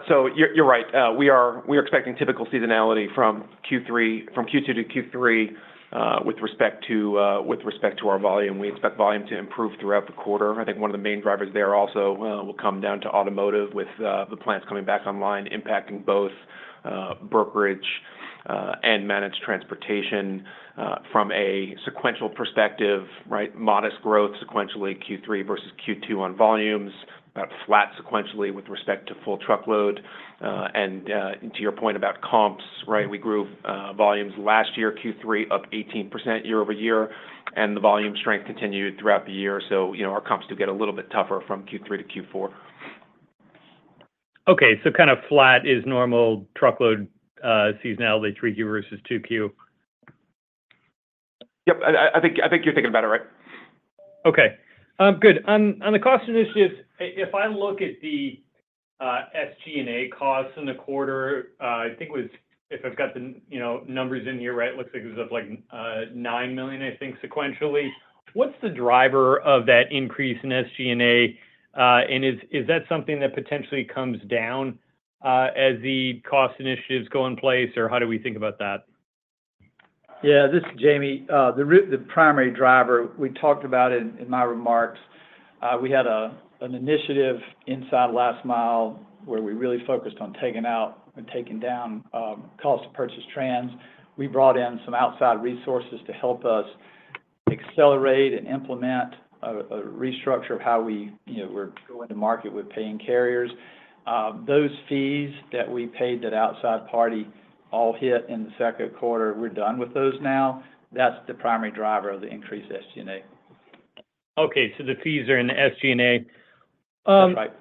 So you're right. We are expecting typical seasonality from Q2 to Q3 with respect to our volume. We expect volume to improve throughout the quarter. I think one of the main drivers there also will come down to automotive, with the plants coming back online, impacting both brokerage and managed transportation from a sequential perspective, right? Modest growth sequentially, Q3 versus Q2 on volumes, about flat sequentially with respect to full truckload. And to your point about comps, right, we grew volumes last year, Q3, up 18% year-over-year, and the volume strength continued throughout the year. So, you know, our comps do get a little bit tougher from Q3 to Q4. Okay, so kind of flat is normal truckload seasonality, 3Q versus 2Q? Yep. I think you're thinking about it right. Okay. Good. On the cost initiatives, if I look at the SG&A costs in the quarter, I think it was. If I've got the, you know, numbers in here right, it looks like it was up, like, $9 million, I think, sequentially. What's the driver of that increase in SG&A, and is that something that potentially comes down as the cost initiatives go in place, or how do we think about that? Yeah, this is Jamie. The primary driver we talked about in my remarks, we had an initiative inside Last Mile, where we really focused on taking out and taking down cost of purchased transportation. We brought in some outside resources to help us accelerate and implement a restructure of how we, you know, were going to market with paying carriers. Those fees that we paid that outside party all hit in the second quarter. We're done with those now. That's the primary driver of the increased SG&A. Okay, so the fees are in the SG&A. That's right.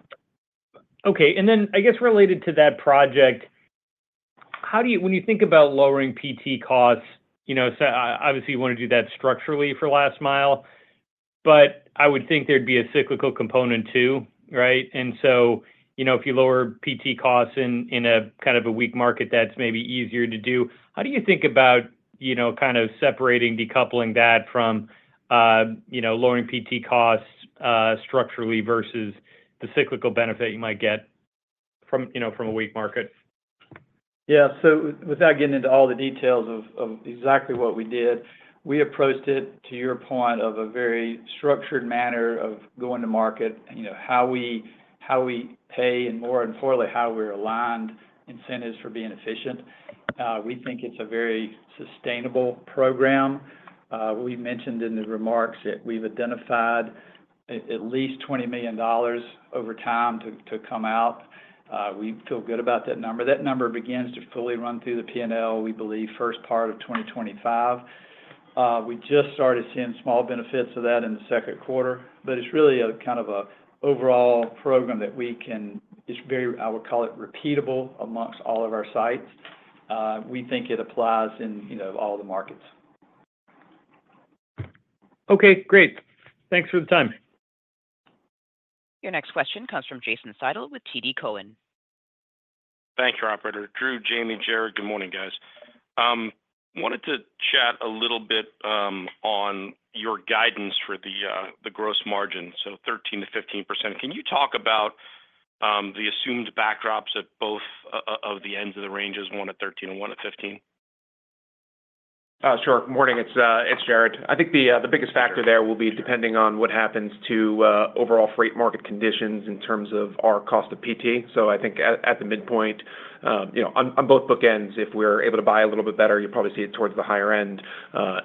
Okay, and then, I guess related to that project, how do you - when you think about lowering PT costs, you know, so obviously, you want to do that structurally for Last Mile, but I would think there'd be a cyclical component too, right? And so, you know, if you lower PT costs in a kind of a weak market, that's maybe easier to do. How do you think about, you know, kind of separating, decoupling that from, you know, lowering PT costs structurally versus the cyclical benefit you might get from, you know, from a weak market? Yeah. So without getting into all the details of, of exactly what we did, we approached it, to your point, of a very structured manner of going to market. You know, how we, how we pay, and more importantly, how we're aligned incentives for being efficient. We think it's a very sustainable program. We mentioned in the remarks that we've identified at, at least $20 million over time to, to come out. We feel good about that number. That number begins to fully run through the P&L, we believe, first part of 2025. We just started seeing small benefits of that in the second quarter, but it's really a kind of a overall program that we can—it's very, I would call it, repeatable amongst all of our sites. We think it applies in, you know, all the markets. Okay, great. Thanks for the time. Your next question comes from Jason Seidl with TD Cowen. Thank you, operator. Drew, Jamie, Jared, good morning, guys. Wanted to chat a little bit on your guidance for the gross margin, so 13%-15%. Can you talk about the assumed backdrops at both of the ends of the ranges, one at 13 and one at 15? Sure. Morning, it's Jared. I think the biggest factor there will be depending on what happens to overall freight market conditions in terms of our cost of PT. So I think at the midpoint, you know, on both bookends, if we're able to buy a little bit better, you'll probably see it towards the higher end.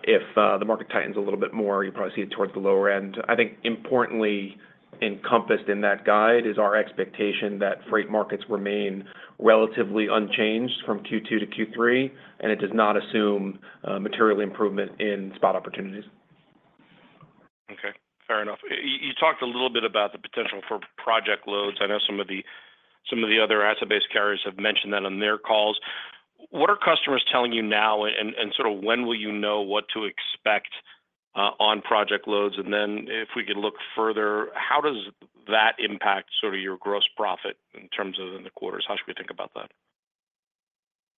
If the market tightens a little bit more, you'll probably see it towards the lower end. I think importantly, encompassed in that guide is our expectation that freight markets remain relatively unchanged from Q2 to Q3, and it does not assume material improvement in spot opportunities. Okay, fair enough. You talked a little bit about the potential for project loads. I know some of the, some of the other asset-based carriers have mentioned that on their calls. What are customers telling you now, and sort of when will you know what to expect on project loads? And then, if we could look further, how does that impact sort of your gross profit in terms of in the quarters? How should we think about that?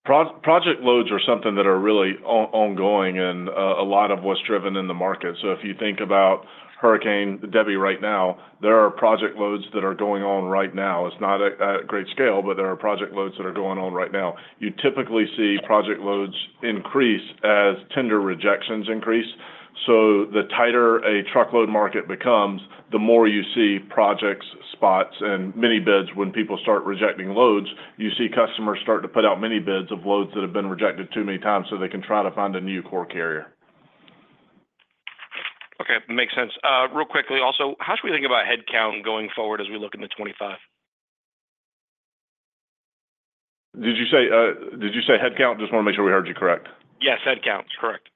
Project loads are something that are really ongoing and, a lot of what's driven in the market. So if you think about Hurricane Debby right now, there are project loads that are going on right now. It's not at great scale, but there are project loads that are going on right now. You typically see project loads increase as tender rejections increase. So the tighter a truckload market becomes, the more you see projects, spots, and mini bids. When people start rejecting loads, you see customers start to put out mini bids of loads that have been rejected too many times, so they can try to find a new core carrier. Okay, makes sense. Real quickly, also, how should we think about headcount going forward as we look into 2025? Did you say, did you say headcount? Just want to make sure we heard you correct. Yes, headcounts. Correct.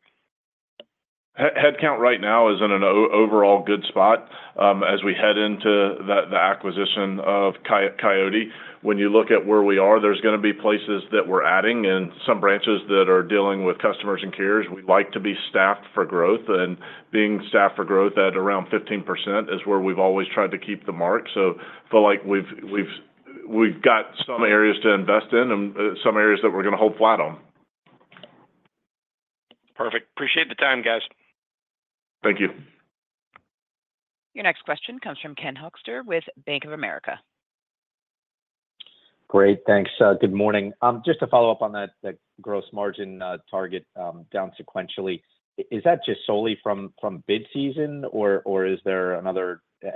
Headcount right now is in an overall good spot. As we head into the acquisition of Coyote, when you look at where we are, there's going to be places that we're adding and some branches that are dealing with customers and carriers. We like to be staffed for growth, and being staffed for growth at around 15% is where we've always tried to keep the mark. So feel like we've got some areas to invest in and some areas that we're going to hold flat on. Perfect. Appreciate the time, guys. Thank you. Your next question comes from Ken Hoexter with Bank of America. Great. Thanks. Good morning. Just to follow up on that, the Gross Margin target down sequentially. Is that just solely from Bid Season, or is there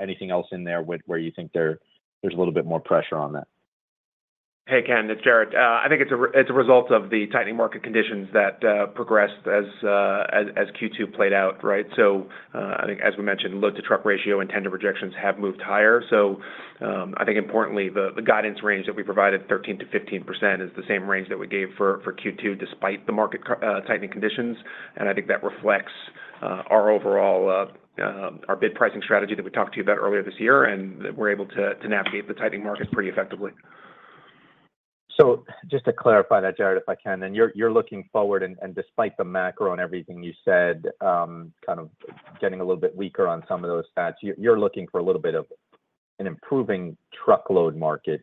anything else in there where you think there's a little bit more pressure on that? Hey, Ken, it's Jared. I think it's a result of the tightening market conditions that as Q2 played out, right? So, I think as we mentioned, load to truck ratio and tender rejections have moved higher. So, I think importantly, the guidance range that we provided, 13%-15%, is the same range that we gave for Q2, despite the market tightening conditions. And I think that reflects our overall our bid pricing strategy that we talked to you about earlier this year, and that we're able to navigate the tightening market pretty effectively. So just to clarify that, Jared, if I can, and you're looking forward and despite the macro and everything you said, kind of getting a little bit weaker on some of those stats, you're looking for a little bit of an improving truckload market,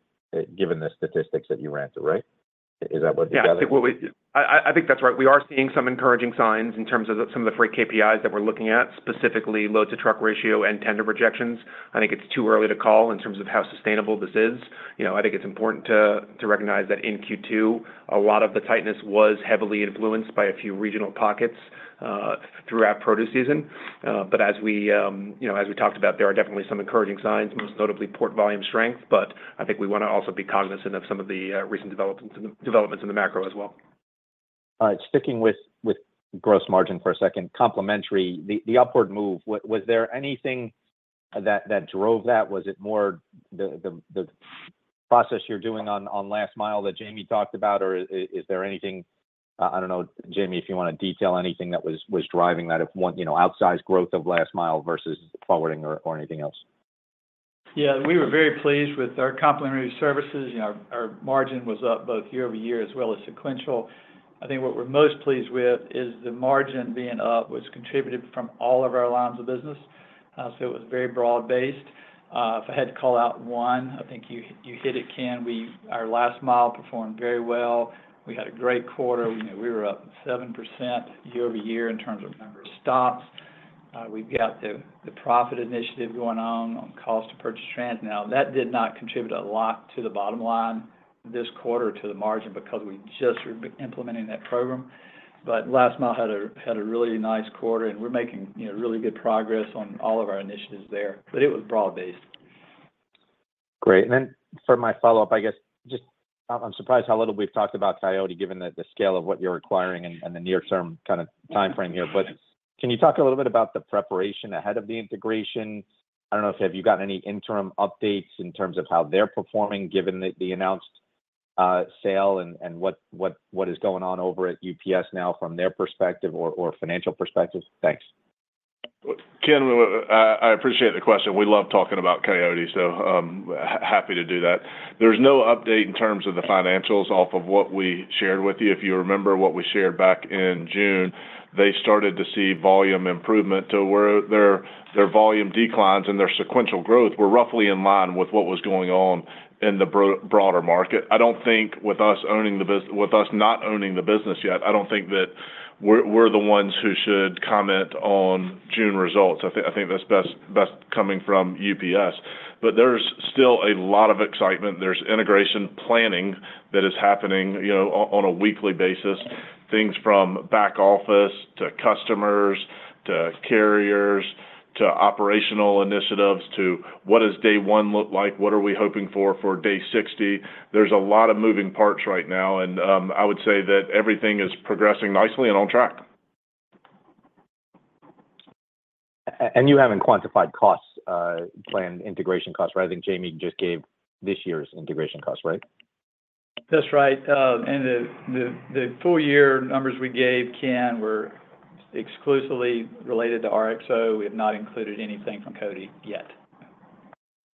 given the statistics that you ran through, right? Is that what you're gathering? Yeah. I think that's right. We are seeing some encouraging signs in terms of some of the freight KPIs that we're looking at, specifically load to truck ratio and tender rejections. I think it's too early to call in terms of how sustainable this is. You know, I think it's important to recognize that in Q2, a lot of the tightness was heavily influenced by a few regional pockets throughout produce season. But as we, you know, as we talked about, there are definitely some encouraging signs, most notably port volume strength, but I think we want to also be cognizant of some of the recent developments in the macro as well. Sticking with gross margin for a second. Complementary, the upward move, was there anything that drove that? Was it more the process you're doing on last mile that Jamie talked about, or is there anything... I don't know, Jamie, if you want to detail anything that was driving that, if one, you know, outsized growth of last mile versus forwarding or anything else? Yeah. We were very pleased with our complementary services. You know, our margin was up both year-over-year as well as sequential. I think what we're most pleased with is the margin being up, was contributed from all of our lines of business. So it was very broad-based. If I had to call out one, I think you hit it, Ken. We, our last mile performed very well. We had a great quarter. We were up 7% year-over-year in terms of number of stops. We've got the profit initiative going on cost to purchase trans. Now, that did not contribute a lot to the bottom line this quarter to the margin because we just were implementing that program. But last mile had a really nice quarter, and we're making, you know, really good progress on all of our initiatives there, but it was broad-based.... Great. And then for my follow-up, I guess, just, I'm surprised how little we've talked about Coyote, given the, the scale of what you're acquiring and, and the near-term kind of timeframe here. But can you talk a little bit about the preparation ahead of the integration? I don't know if you have gotten any interim updates in terms of how they're performing, given the, the announced sale, and, and what, what, what is going on over at UPS now from their perspective or, or financial perspective? Thanks. Ken, I appreciate the question. We love talking about Coyote, so, happy to do that. There's no update in terms of the financials off of what we shared with you. If you remember what we shared back in June, they started to see volume improvement to where their volume declines and their sequential growth were roughly in line with what was going on in the broader market. I don't think, with us not owning the business yet, I don't think that we're the ones who should comment on June results. I think that's best coming from UPS. But there's still a lot of excitement. There's integration planning that is happening, you know, on a weekly basis. Things from back office, to customers, to carriers, to operational initiatives, to what does day one look like? What are we hoping for for day 60? There's a lot of moving parts right now, and, I would say that everything is progressing nicely and on track. And you haven't quantified costs, planned integration costs. I think Jamie just gave this year's integration costs, right? That's right. And the full year numbers we gave Ken were exclusively related to RXO. We have not included anything from Coyote yet.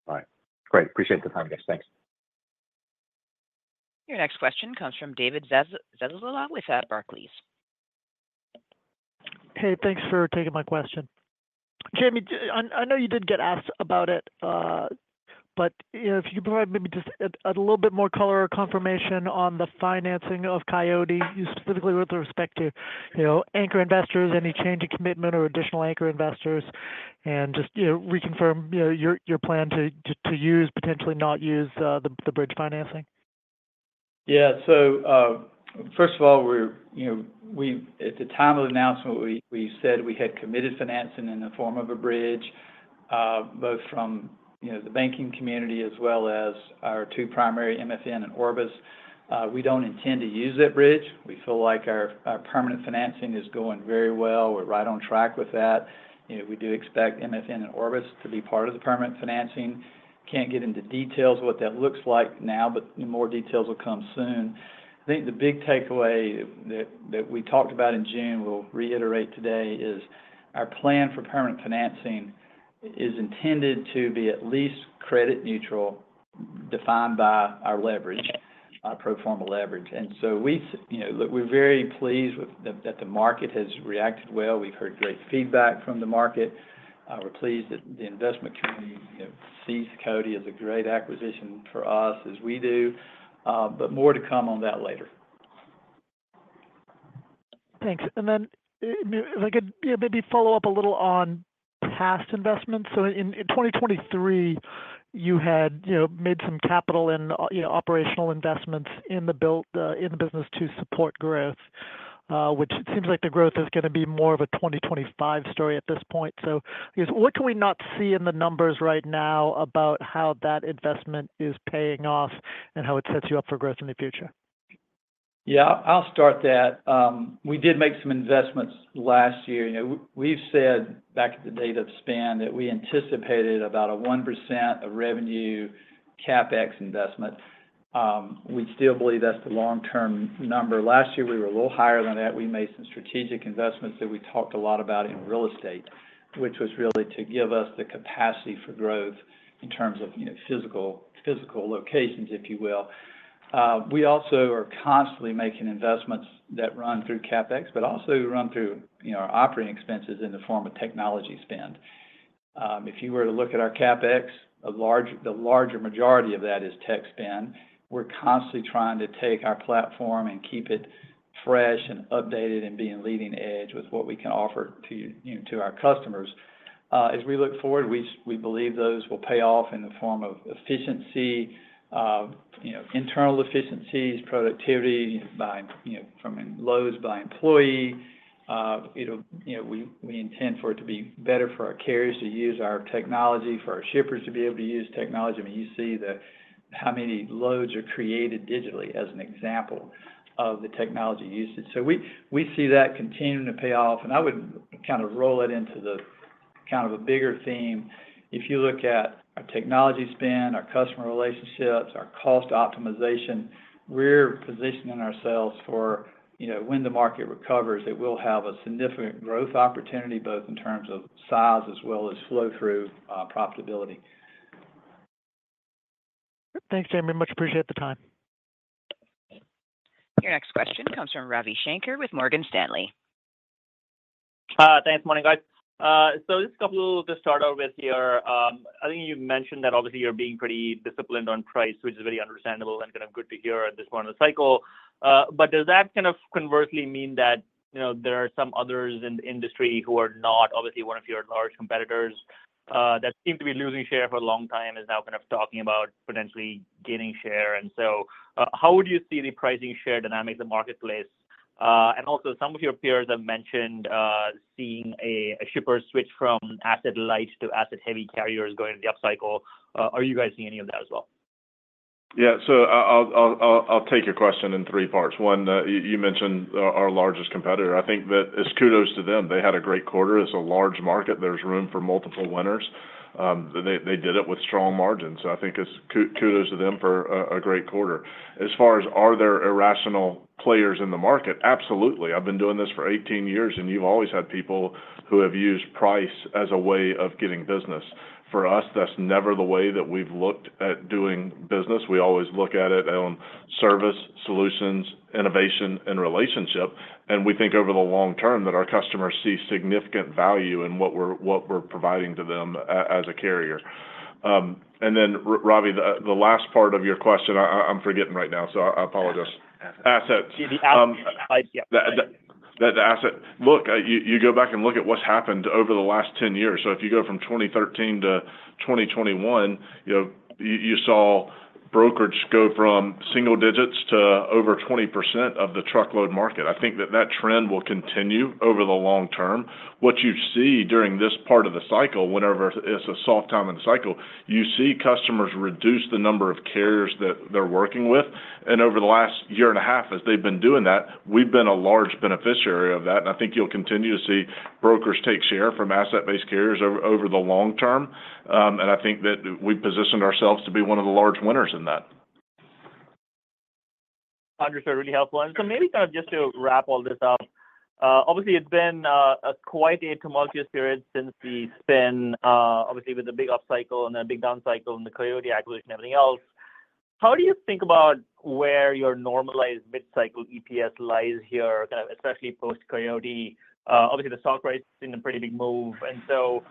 Right. Great. Appreciate the time, guys. Thanks. Your next question comes from David Zazula with Barclays. Hey, thanks for taking my question. Jamie, I know you did get asked about it, but, you know, if you provide maybe just a little bit more color or confirmation on the financing of Coyote, specifically with respect to, you know, anchor investors, any change in commitment or additional anchor investors, and just, you know, reconfirm, you know, your plan to use, potentially not use the bridge financing. Yeah. So, first of all, we're, you know, we at the time of the announcement, we said we had committed financing in the form of a bridge, both from, you know, the banking community as well as our two primary, MFN and Orbis. We don't intend to use that bridge. We feel like our permanent financing is going very well. We're right on track with that. You know, we do expect MFN and Orbis to be part of the permanent financing. Can't get into details of what that looks like now, but more details will come soon. I think the big takeaway that we talked about in June, we'll reiterate today, is our plan for permanent financing is intended to be at least credit neutral, defined by our leverage, our pro forma leverage. And so we, you know, look, we're very pleased with that, that the market has reacted well. We've heard great feedback from the market. We're pleased that the investment community, you know, sees Coyote as a great acquisition for us as we do. But more to come on that later. Thanks. And then, if I could, you know, maybe follow up a little on past investments. So in 2023, you had, you know, made some capital and, you know, operational investments in the build, in the business to support growth, which it seems like the growth is gonna be more of a 2025 story at this point. So I guess, what can we not see in the numbers right now about how that investment is paying off and how it sets you up for growth in the future? Yeah, I'll start that. We did make some investments last year. You know, we've said back at the date of spin, that we anticipated about a 1% of revenue CapEx investment. We still believe that's the long-term number. Last year, we were a little higher than that. We made some strategic investments that we talked a lot about in real estate, which was really to give us the capacity for growth in terms of, you know, physical, physical locations, if you will. We also are constantly making investments that run through CapEx, but also run through, you know, our operating expenses in the form of technology spend. If you were to look at our CapEx, the larger majority of that is tech spend. We're constantly trying to take our platform and keep it fresh and updated and being leading edge with what we can offer to, you know, to our customers. As we look forward, we, we believe those will pay off in the form of efficiency, you know, internal efficiencies, productivity by, you know, from loads by employee. It'll—you know, we, we intend for it to be better for our carriers to use our technology, for our shippers to be able to use technology. I mean, you see the, how many loads are created digitally as an example of the technology usage. So we, we see that continuing to pay off, and I would kind of roll it into the kind of a bigger theme. If you look at our technology spend, our customer relationships, our cost optimization, we're positioning ourselves for, you know, when the market recovers, it will have a significant growth opportunity, both in terms of size as well as flow through, profitability. Thanks, Jamie. Much appreciate the time. Your next question comes from Ravi Shanker with Morgan Stanley. Thanks, morning, guys. So just a couple to start out with here. I think you mentioned that obviously you're being pretty disciplined on price, which is very understandable and kind of good to hear at this point in the cycle. But does that kind of conversely mean that, you know, there are some others in the industry who are not obviously one of your large competitors, that seem to be losing share for a long time, is now kind of talking about potentially gaining share. And so, how would you see the pricing share dynamic in the marketplace?... and also some of your peers have mentioned seeing a shipper switch from asset-light to asset-heavy carriers going into the upcycle. Are you guys seeing any of that as well? Yeah. So I'll take your question in 3 parts. 1, you mentioned our largest competitor. I think that it's kudos to them. They had a great quarter. It's a large market. There's room for multiple winners. They did it with strong margins, so I think it's kudos to them for a great quarter. As far as are there irrational players in the market? Absolutely. I've been doing this for 18 years, and you've always had people who have used price as a way of getting business. For us, that's never the way that we've looked at doing business. We always look at it on service, solutions, innovation, and relationship, and we think over the long term that our customers see significant value in what we're providing to them as a carrier. And then, Ravi, the last part of your question, I'm forgetting right now, so I apologize. Asset. Yeah. Look, you go back and look at what's happened over the last 10 years. So if you go from 2013 to 2021, you know, you saw brokerage go from single digits to over 20% of the truckload market. I think that that trend will continue over the long term. What you see during this part of the cycle, whenever it's a soft time in the cycle, you see customers reduce the number of carriers that they're working with. And over the last year and a half, as they've been doing that, we've been a large beneficiary of that, and I think you'll continue to see brokers take share from asset-based carriers over the long term. And I think that we've positioned ourselves to be one of the large winners in that. Drew, so really helpful. And so maybe kind of just to wrap all this up, obviously, it's been a quite a tumultuous period since the spin, obviously, with the big upcycle and a big downcycle and the Coyote acquisition, everything else. How do you think about where your normalized mid-cycle EPS lies here, kind of especially post-Coyote? Obviously, the stock price has seen a pretty big move, and so,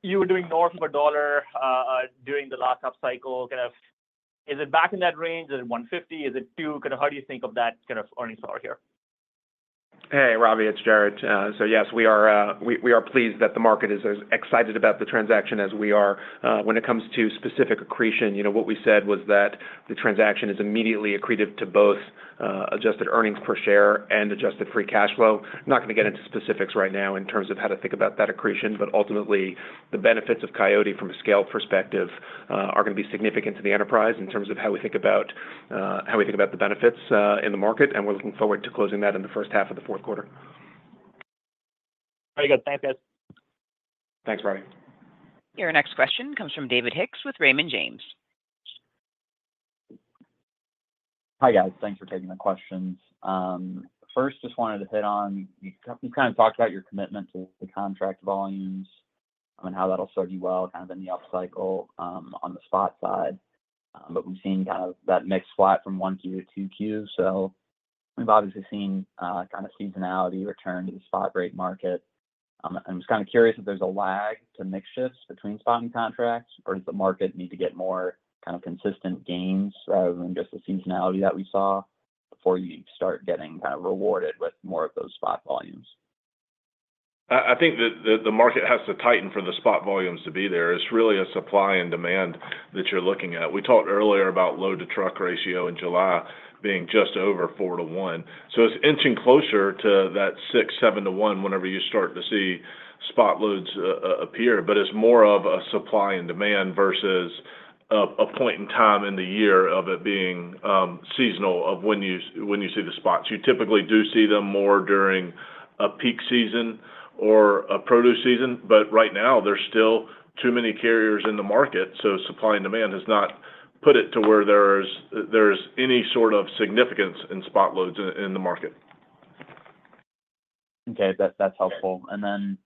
you were doing north of $1 during the last upcycle. Kind of is it back in that range? Is it $1.50? Is it $2? Kind of how do you think of that kind of earning power here? Hey, Ravi, it's Jared. So yes, we are pleased that the market is as excited about the transaction as we are. When it comes to specific accretion, you know, what we said was that the transaction is immediately accretive to both Adjusted Earnings Per Share and Adjusted Free Cash Flow. Not going to get into specifics right now in terms of how to think about that accretion, but ultimately, the benefits of Coyote from a scale perspective are going to be significant to the enterprise in terms of how we think about the benefits in the market, and we're looking forward to closing that in the first half of the fourth quarter. Very good. Thank you. Thanks, Ravi. Your next question comes from David Hicks with Raymond James. Hi, guys. Thanks for taking the questions. First, just wanted to hit on, you kind of talked about your commitment to the contract volumes and how that'll serve you well, kind of in the upcycle, on the spot side. But we've seen kind of that mix flat from one Q to two Qs, so we've obviously seen kind of seasonality return to the spot rate market. I'm just kind of curious if there's a lag to mix shifts between spot and contracts, or does the market need to get more kind of consistent gains rather than just the seasonality that we saw before you start getting kind of rewarded with more of those spot volumes? I think that the market has to tighten for the spot volumes to be there. It's really a supply and demand that you're looking at. We talked earlier about load-to-truck ratio in July being just over 4-to-1, so it's inching closer to that 6-7-to-1 whenever you start to see spot loads appear. But it's more of a supply and demand versus a point in time in the year of it being seasonal of when you, when you see the spots. You typically do see them more during a peak season or a produce season, but right now there's still too many carriers in the market, so supply and demand has not put it to where there's, there's any sort of significance in spot loads in, in the market. Okay. That's, that's helpful. And then,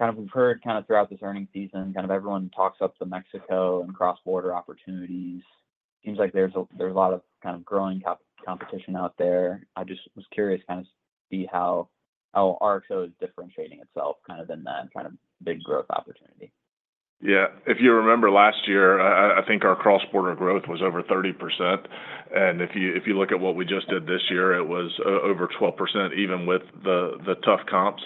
kind of we've heard kind of throughout this earnings season, kind of everyone talks up the Mexico and cross-border opportunities. Seems like there's a, there's a lot of kind of growing competition out there. I just was curious, kind of see how, how RXO is differentiating itself kind of in that kind of big growth opportunity. Yeah. If you remember last year, I think our cross-border growth was over 30%, and if you look at what we just did this year, it was over 12%, even with the tough comps.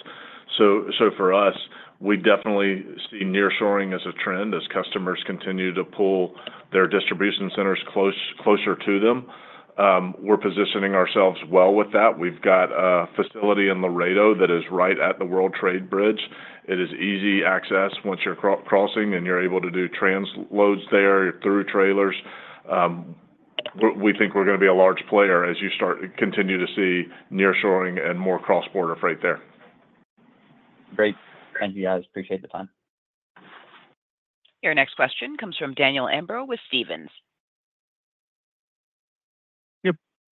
So for us, we definitely see nearshoring as a trend, as customers continue to pull their distribution centers closer to them. We're positioning ourselves well with that. We've got a facility in Laredo that is right at the World Trade Bridge. It is easy access once you're crossing, and you're able to do transloads there through trailers. We think we're going to be a large player as you start to continue to see nearshoring and more cross-border freight there. Great. Thank you, guys. Appreciate the time. Your next question comes from Daniel Imbro with Stephens. Yep.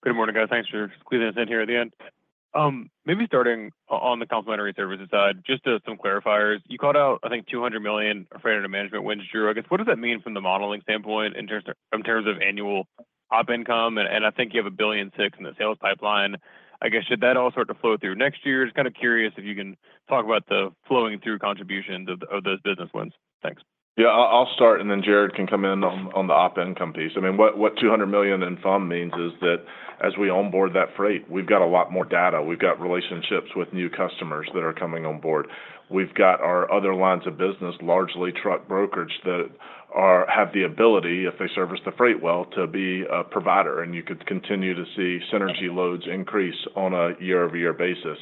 Good morning, guys. Thanks for squeezing us in here at the end. Maybe starting on the complimentary services side, just some clarifiers. You called out, I think, $200 million Freight Under Management wins, Drew. I guess, what does that mean from the modeling standpoint in terms of annual op income? And I think you have $1.6 billion in the sales pipeline. I guess, should that all start to flow through next year? Just kind of curious if you can talk about the flowing through contributions of those business wins. Thanks. Yeah, I'll start, and then Jared can come in on the op income piece. I mean, what $200 million in FUM means is that as we onboard that freight, we've got a lot more data. We've got relationships with new customers that are coming on board. We've got our other lines of business, largely truck brokerage, that have the ability, if they service the freight well, to be a provider, and you could continue to see synergy loads increase on a year-over-year basis.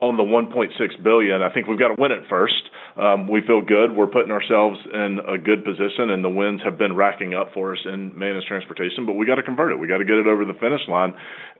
On the $1.6 billion, I think we've got to win it first. We feel good. We're putting ourselves in a good position, and the wins have been racking up for us in managed transportation, but we got to convert it. We got to get it over the finish line,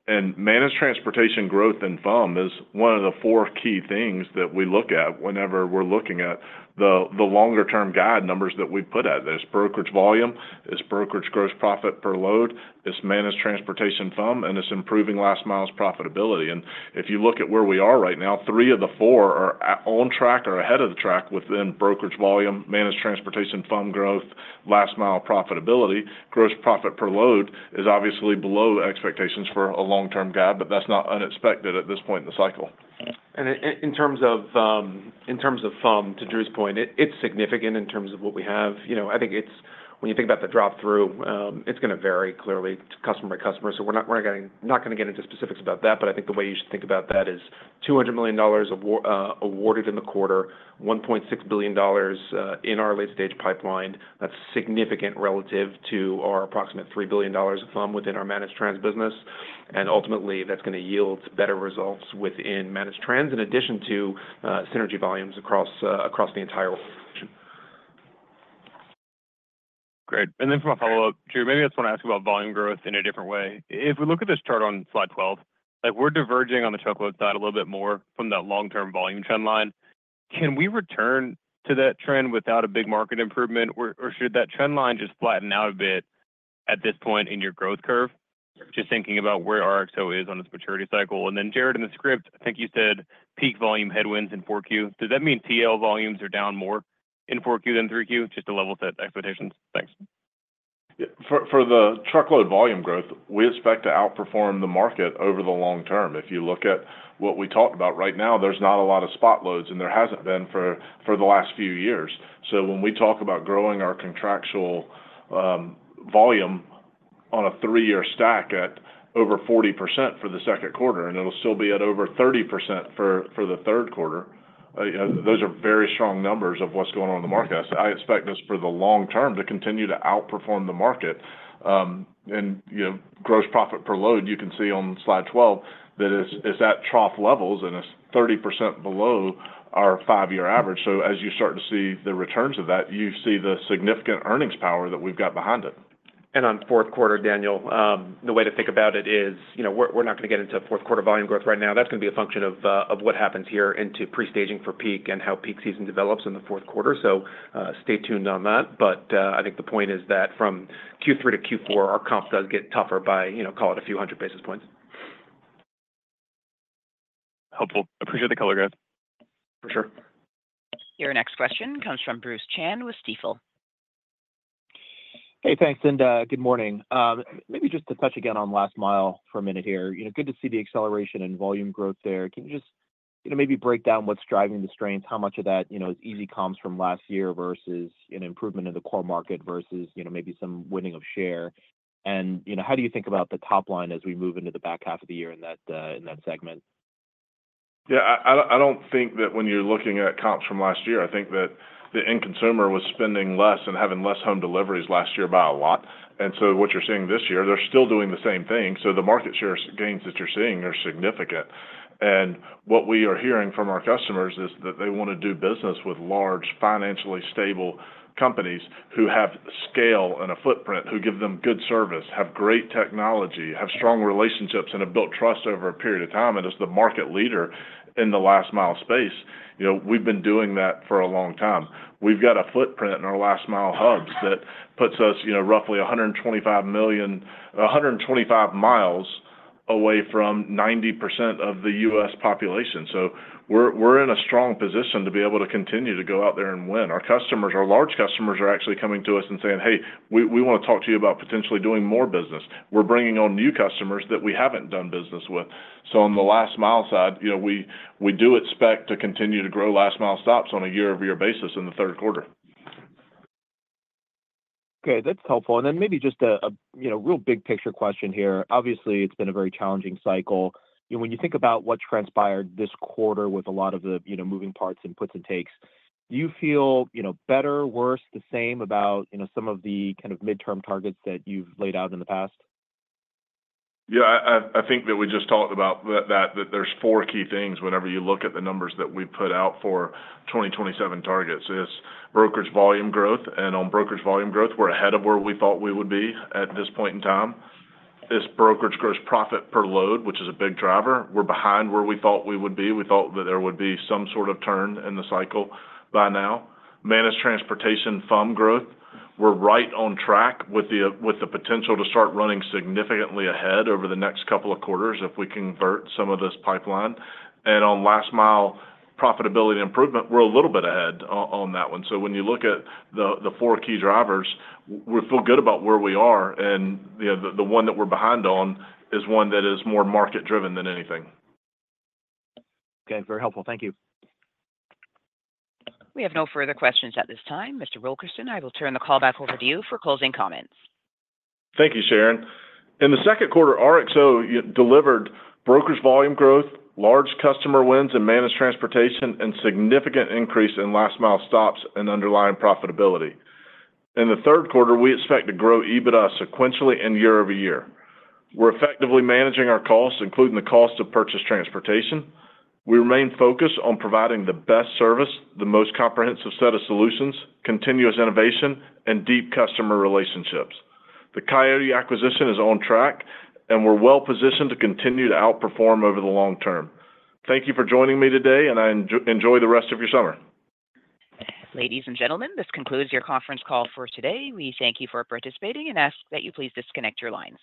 and managed transportation growth and FUM is one of the four key things that we look at whenever we're looking at the longer term guide numbers that we put out there. It's brokerage volume, it's brokerage gross profit per load, it's managed transportation FUM, and it's improving last mile's profitability. And if you look at where we are right now, three of the four are at on track or ahead of the track within brokerage volume, managed transportation, FUM growth, last mile profitability. Gross profit per load is obviously below expectations for a long-term guide, but that's not unexpected at this point in the cycle. And in terms of FUM, to Drew's point, it's significant in terms of what we have. You know, I think it's when you think about the drop through, it's gonna vary clearly to customer by customer. So we're not going, not gonna get into specifics about that, but I think the way you should think about that is $200 million awarded in the quarter, $1.6 billion in our late stage pipeline. That's significant relative to our approximate $3 billion of FUM within our managed trans business. And ultimately, that's gonna yield better results within managed trans, in addition to synergy volumes across the entire range. Great. And then for my follow-up, Drew, maybe I just want to ask you about volume growth in a different way. If we look at this chart on slide 12, like, we're diverging on the truckload side a little bit more from that long-term volume trend line. Can we return to that trend without a big market improvement, or, or should that trend line just flatten out a bit at this point in your growth curve? Just thinking about where RXO is on its maturity cycle. And then, Jared, in the script, I think you said peak volume headwinds in 4Q. Does that mean TL volumes are down more in 4Q than 3Q, just to level set expectations? Thanks. Yeah. For the truckload volume growth, we expect to outperform the market over the long term. If you look at what we talked about right now, there's not a lot of spot loads, and there hasn't been for the last few years. So when we talk about growing our contractual volume on a three-year stack at over 40% for the second quarter, and it'll still be at over 30% for the third quarter, those are very strong numbers of what's going on in the market. I expect us, for the long term, to continue to outperform the market. And, you know, gross profit per load, you can see on slide 12, that it's at trough levels, and it's 30% below our five-year average. As you start to see the returns of that, you see the significant earnings power that we've got behind it. On fourth quarter, Daniel, the way to think about it is, you know, we're not gonna get into fourth quarter volume growth right now. That's gonna be a function of what happens here into pre-staging for peak and how peak season develops in the fourth quarter. So, stay tuned on that. But, I think the point is that from Q3 to Q4, our comp does get tougher by, you know, call it a few hundred basis points. Helpful. Appreciate the color, guys. For sure. Your next question comes from Bruce Chan with Stifel. Hey, thanks, and good morning. Maybe just to touch again on last mile for a minute here. You know, good to see the acceleration and volume growth there. Can you just, you know, maybe break down what's driving the strength? How much of that, you know, is easy comps from last year versus an improvement in the core market versus, you know, maybe some winning of share. And, you know, how do you think about the top line as we move into the back half of the year in that segment? Yeah, I don't think that when you're looking at comps from last year, I think that the end consumer was spending less and having less home deliveries last year by a lot. And so what you're seeing this year, they're still doing the same thing, so the market share gains that you're seeing are significant. And what we are hearing from our customers is that they want to do business with large, financially stable companies who have scale and a footprint, who give them good service, have great technology, have strong relationships, and have built trust over a period of time. And as the market leader in the last mile space, you know, we've been doing that for a long time. We've got a footprint in our last mile hubs that puts us, you know, roughly 125 million... 125 miles away from 90% of the U.S. population. So we're, we're in a strong position to be able to continue to go out there and win. Our customers, our large customers are actually coming to us and saying, "Hey, we, we want to talk to you about potentially doing more business." We're bringing on new customers that we haven't done business with. So on the last mile side, you know, we, we do expect to continue to grow last mile stops on a year-over-year basis in the third quarter. Okay, that's helpful. And then maybe just a you know, real big picture question here. Obviously, it's been a very challenging cycle. When you think about what transpired this quarter with a lot of the, you know, moving parts and puts and takes, do you feel, you know, better, worse, the same about, you know, some of the kind of midterm targets that you've laid out in the past? Yeah, I think that we just talked about that, that there's four key things whenever you look at the numbers that we put out for 2027 targets. It's brokerage volume growth, and on brokerage volume growth, we're ahead of where we thought we would be at this point in time. It's brokerage gross profit per load, which is a big driver. We're behind where we thought we would be. We thought that there would be some sort of turn in the cycle by now. Managed transportation FUM growth, we're right on track with the, with the potential to start running significantly ahead over the next couple of quarters if we convert some of this pipeline. And on last mile profitability improvement, we're a little bit ahead on that one. So when you look at the four key drivers, we feel good about where we are, and, you know, the one that we're behind on is one that is more market driven than anything. Okay, very helpful. Thank you. We have no further questions at this time. Mr. Wilkerson, I will turn the call back over to you for closing comments. Thank you, Sharon. In the second quarter, RXO delivered brokerage volume growth, large customer wins in managed transportation, and significant increase in last mile stops and underlying profitability. In the third quarter, we expect to grow EBITDA sequentially and year over year. We're effectively managing our costs, including the cost of purchase transportation. We remain focused on providing the best service, the most comprehensive set of solutions, continuous innovation, and deep customer relationships. The Coyote acquisition is on track, and we're well-positioned to continue to outperform over the long term. Thank you for joining me today, and I enjoy the rest of your summer. Ladies and gentlemen, this concludes your conference call for today. We thank you for participating and ask that you please disconnect your lines.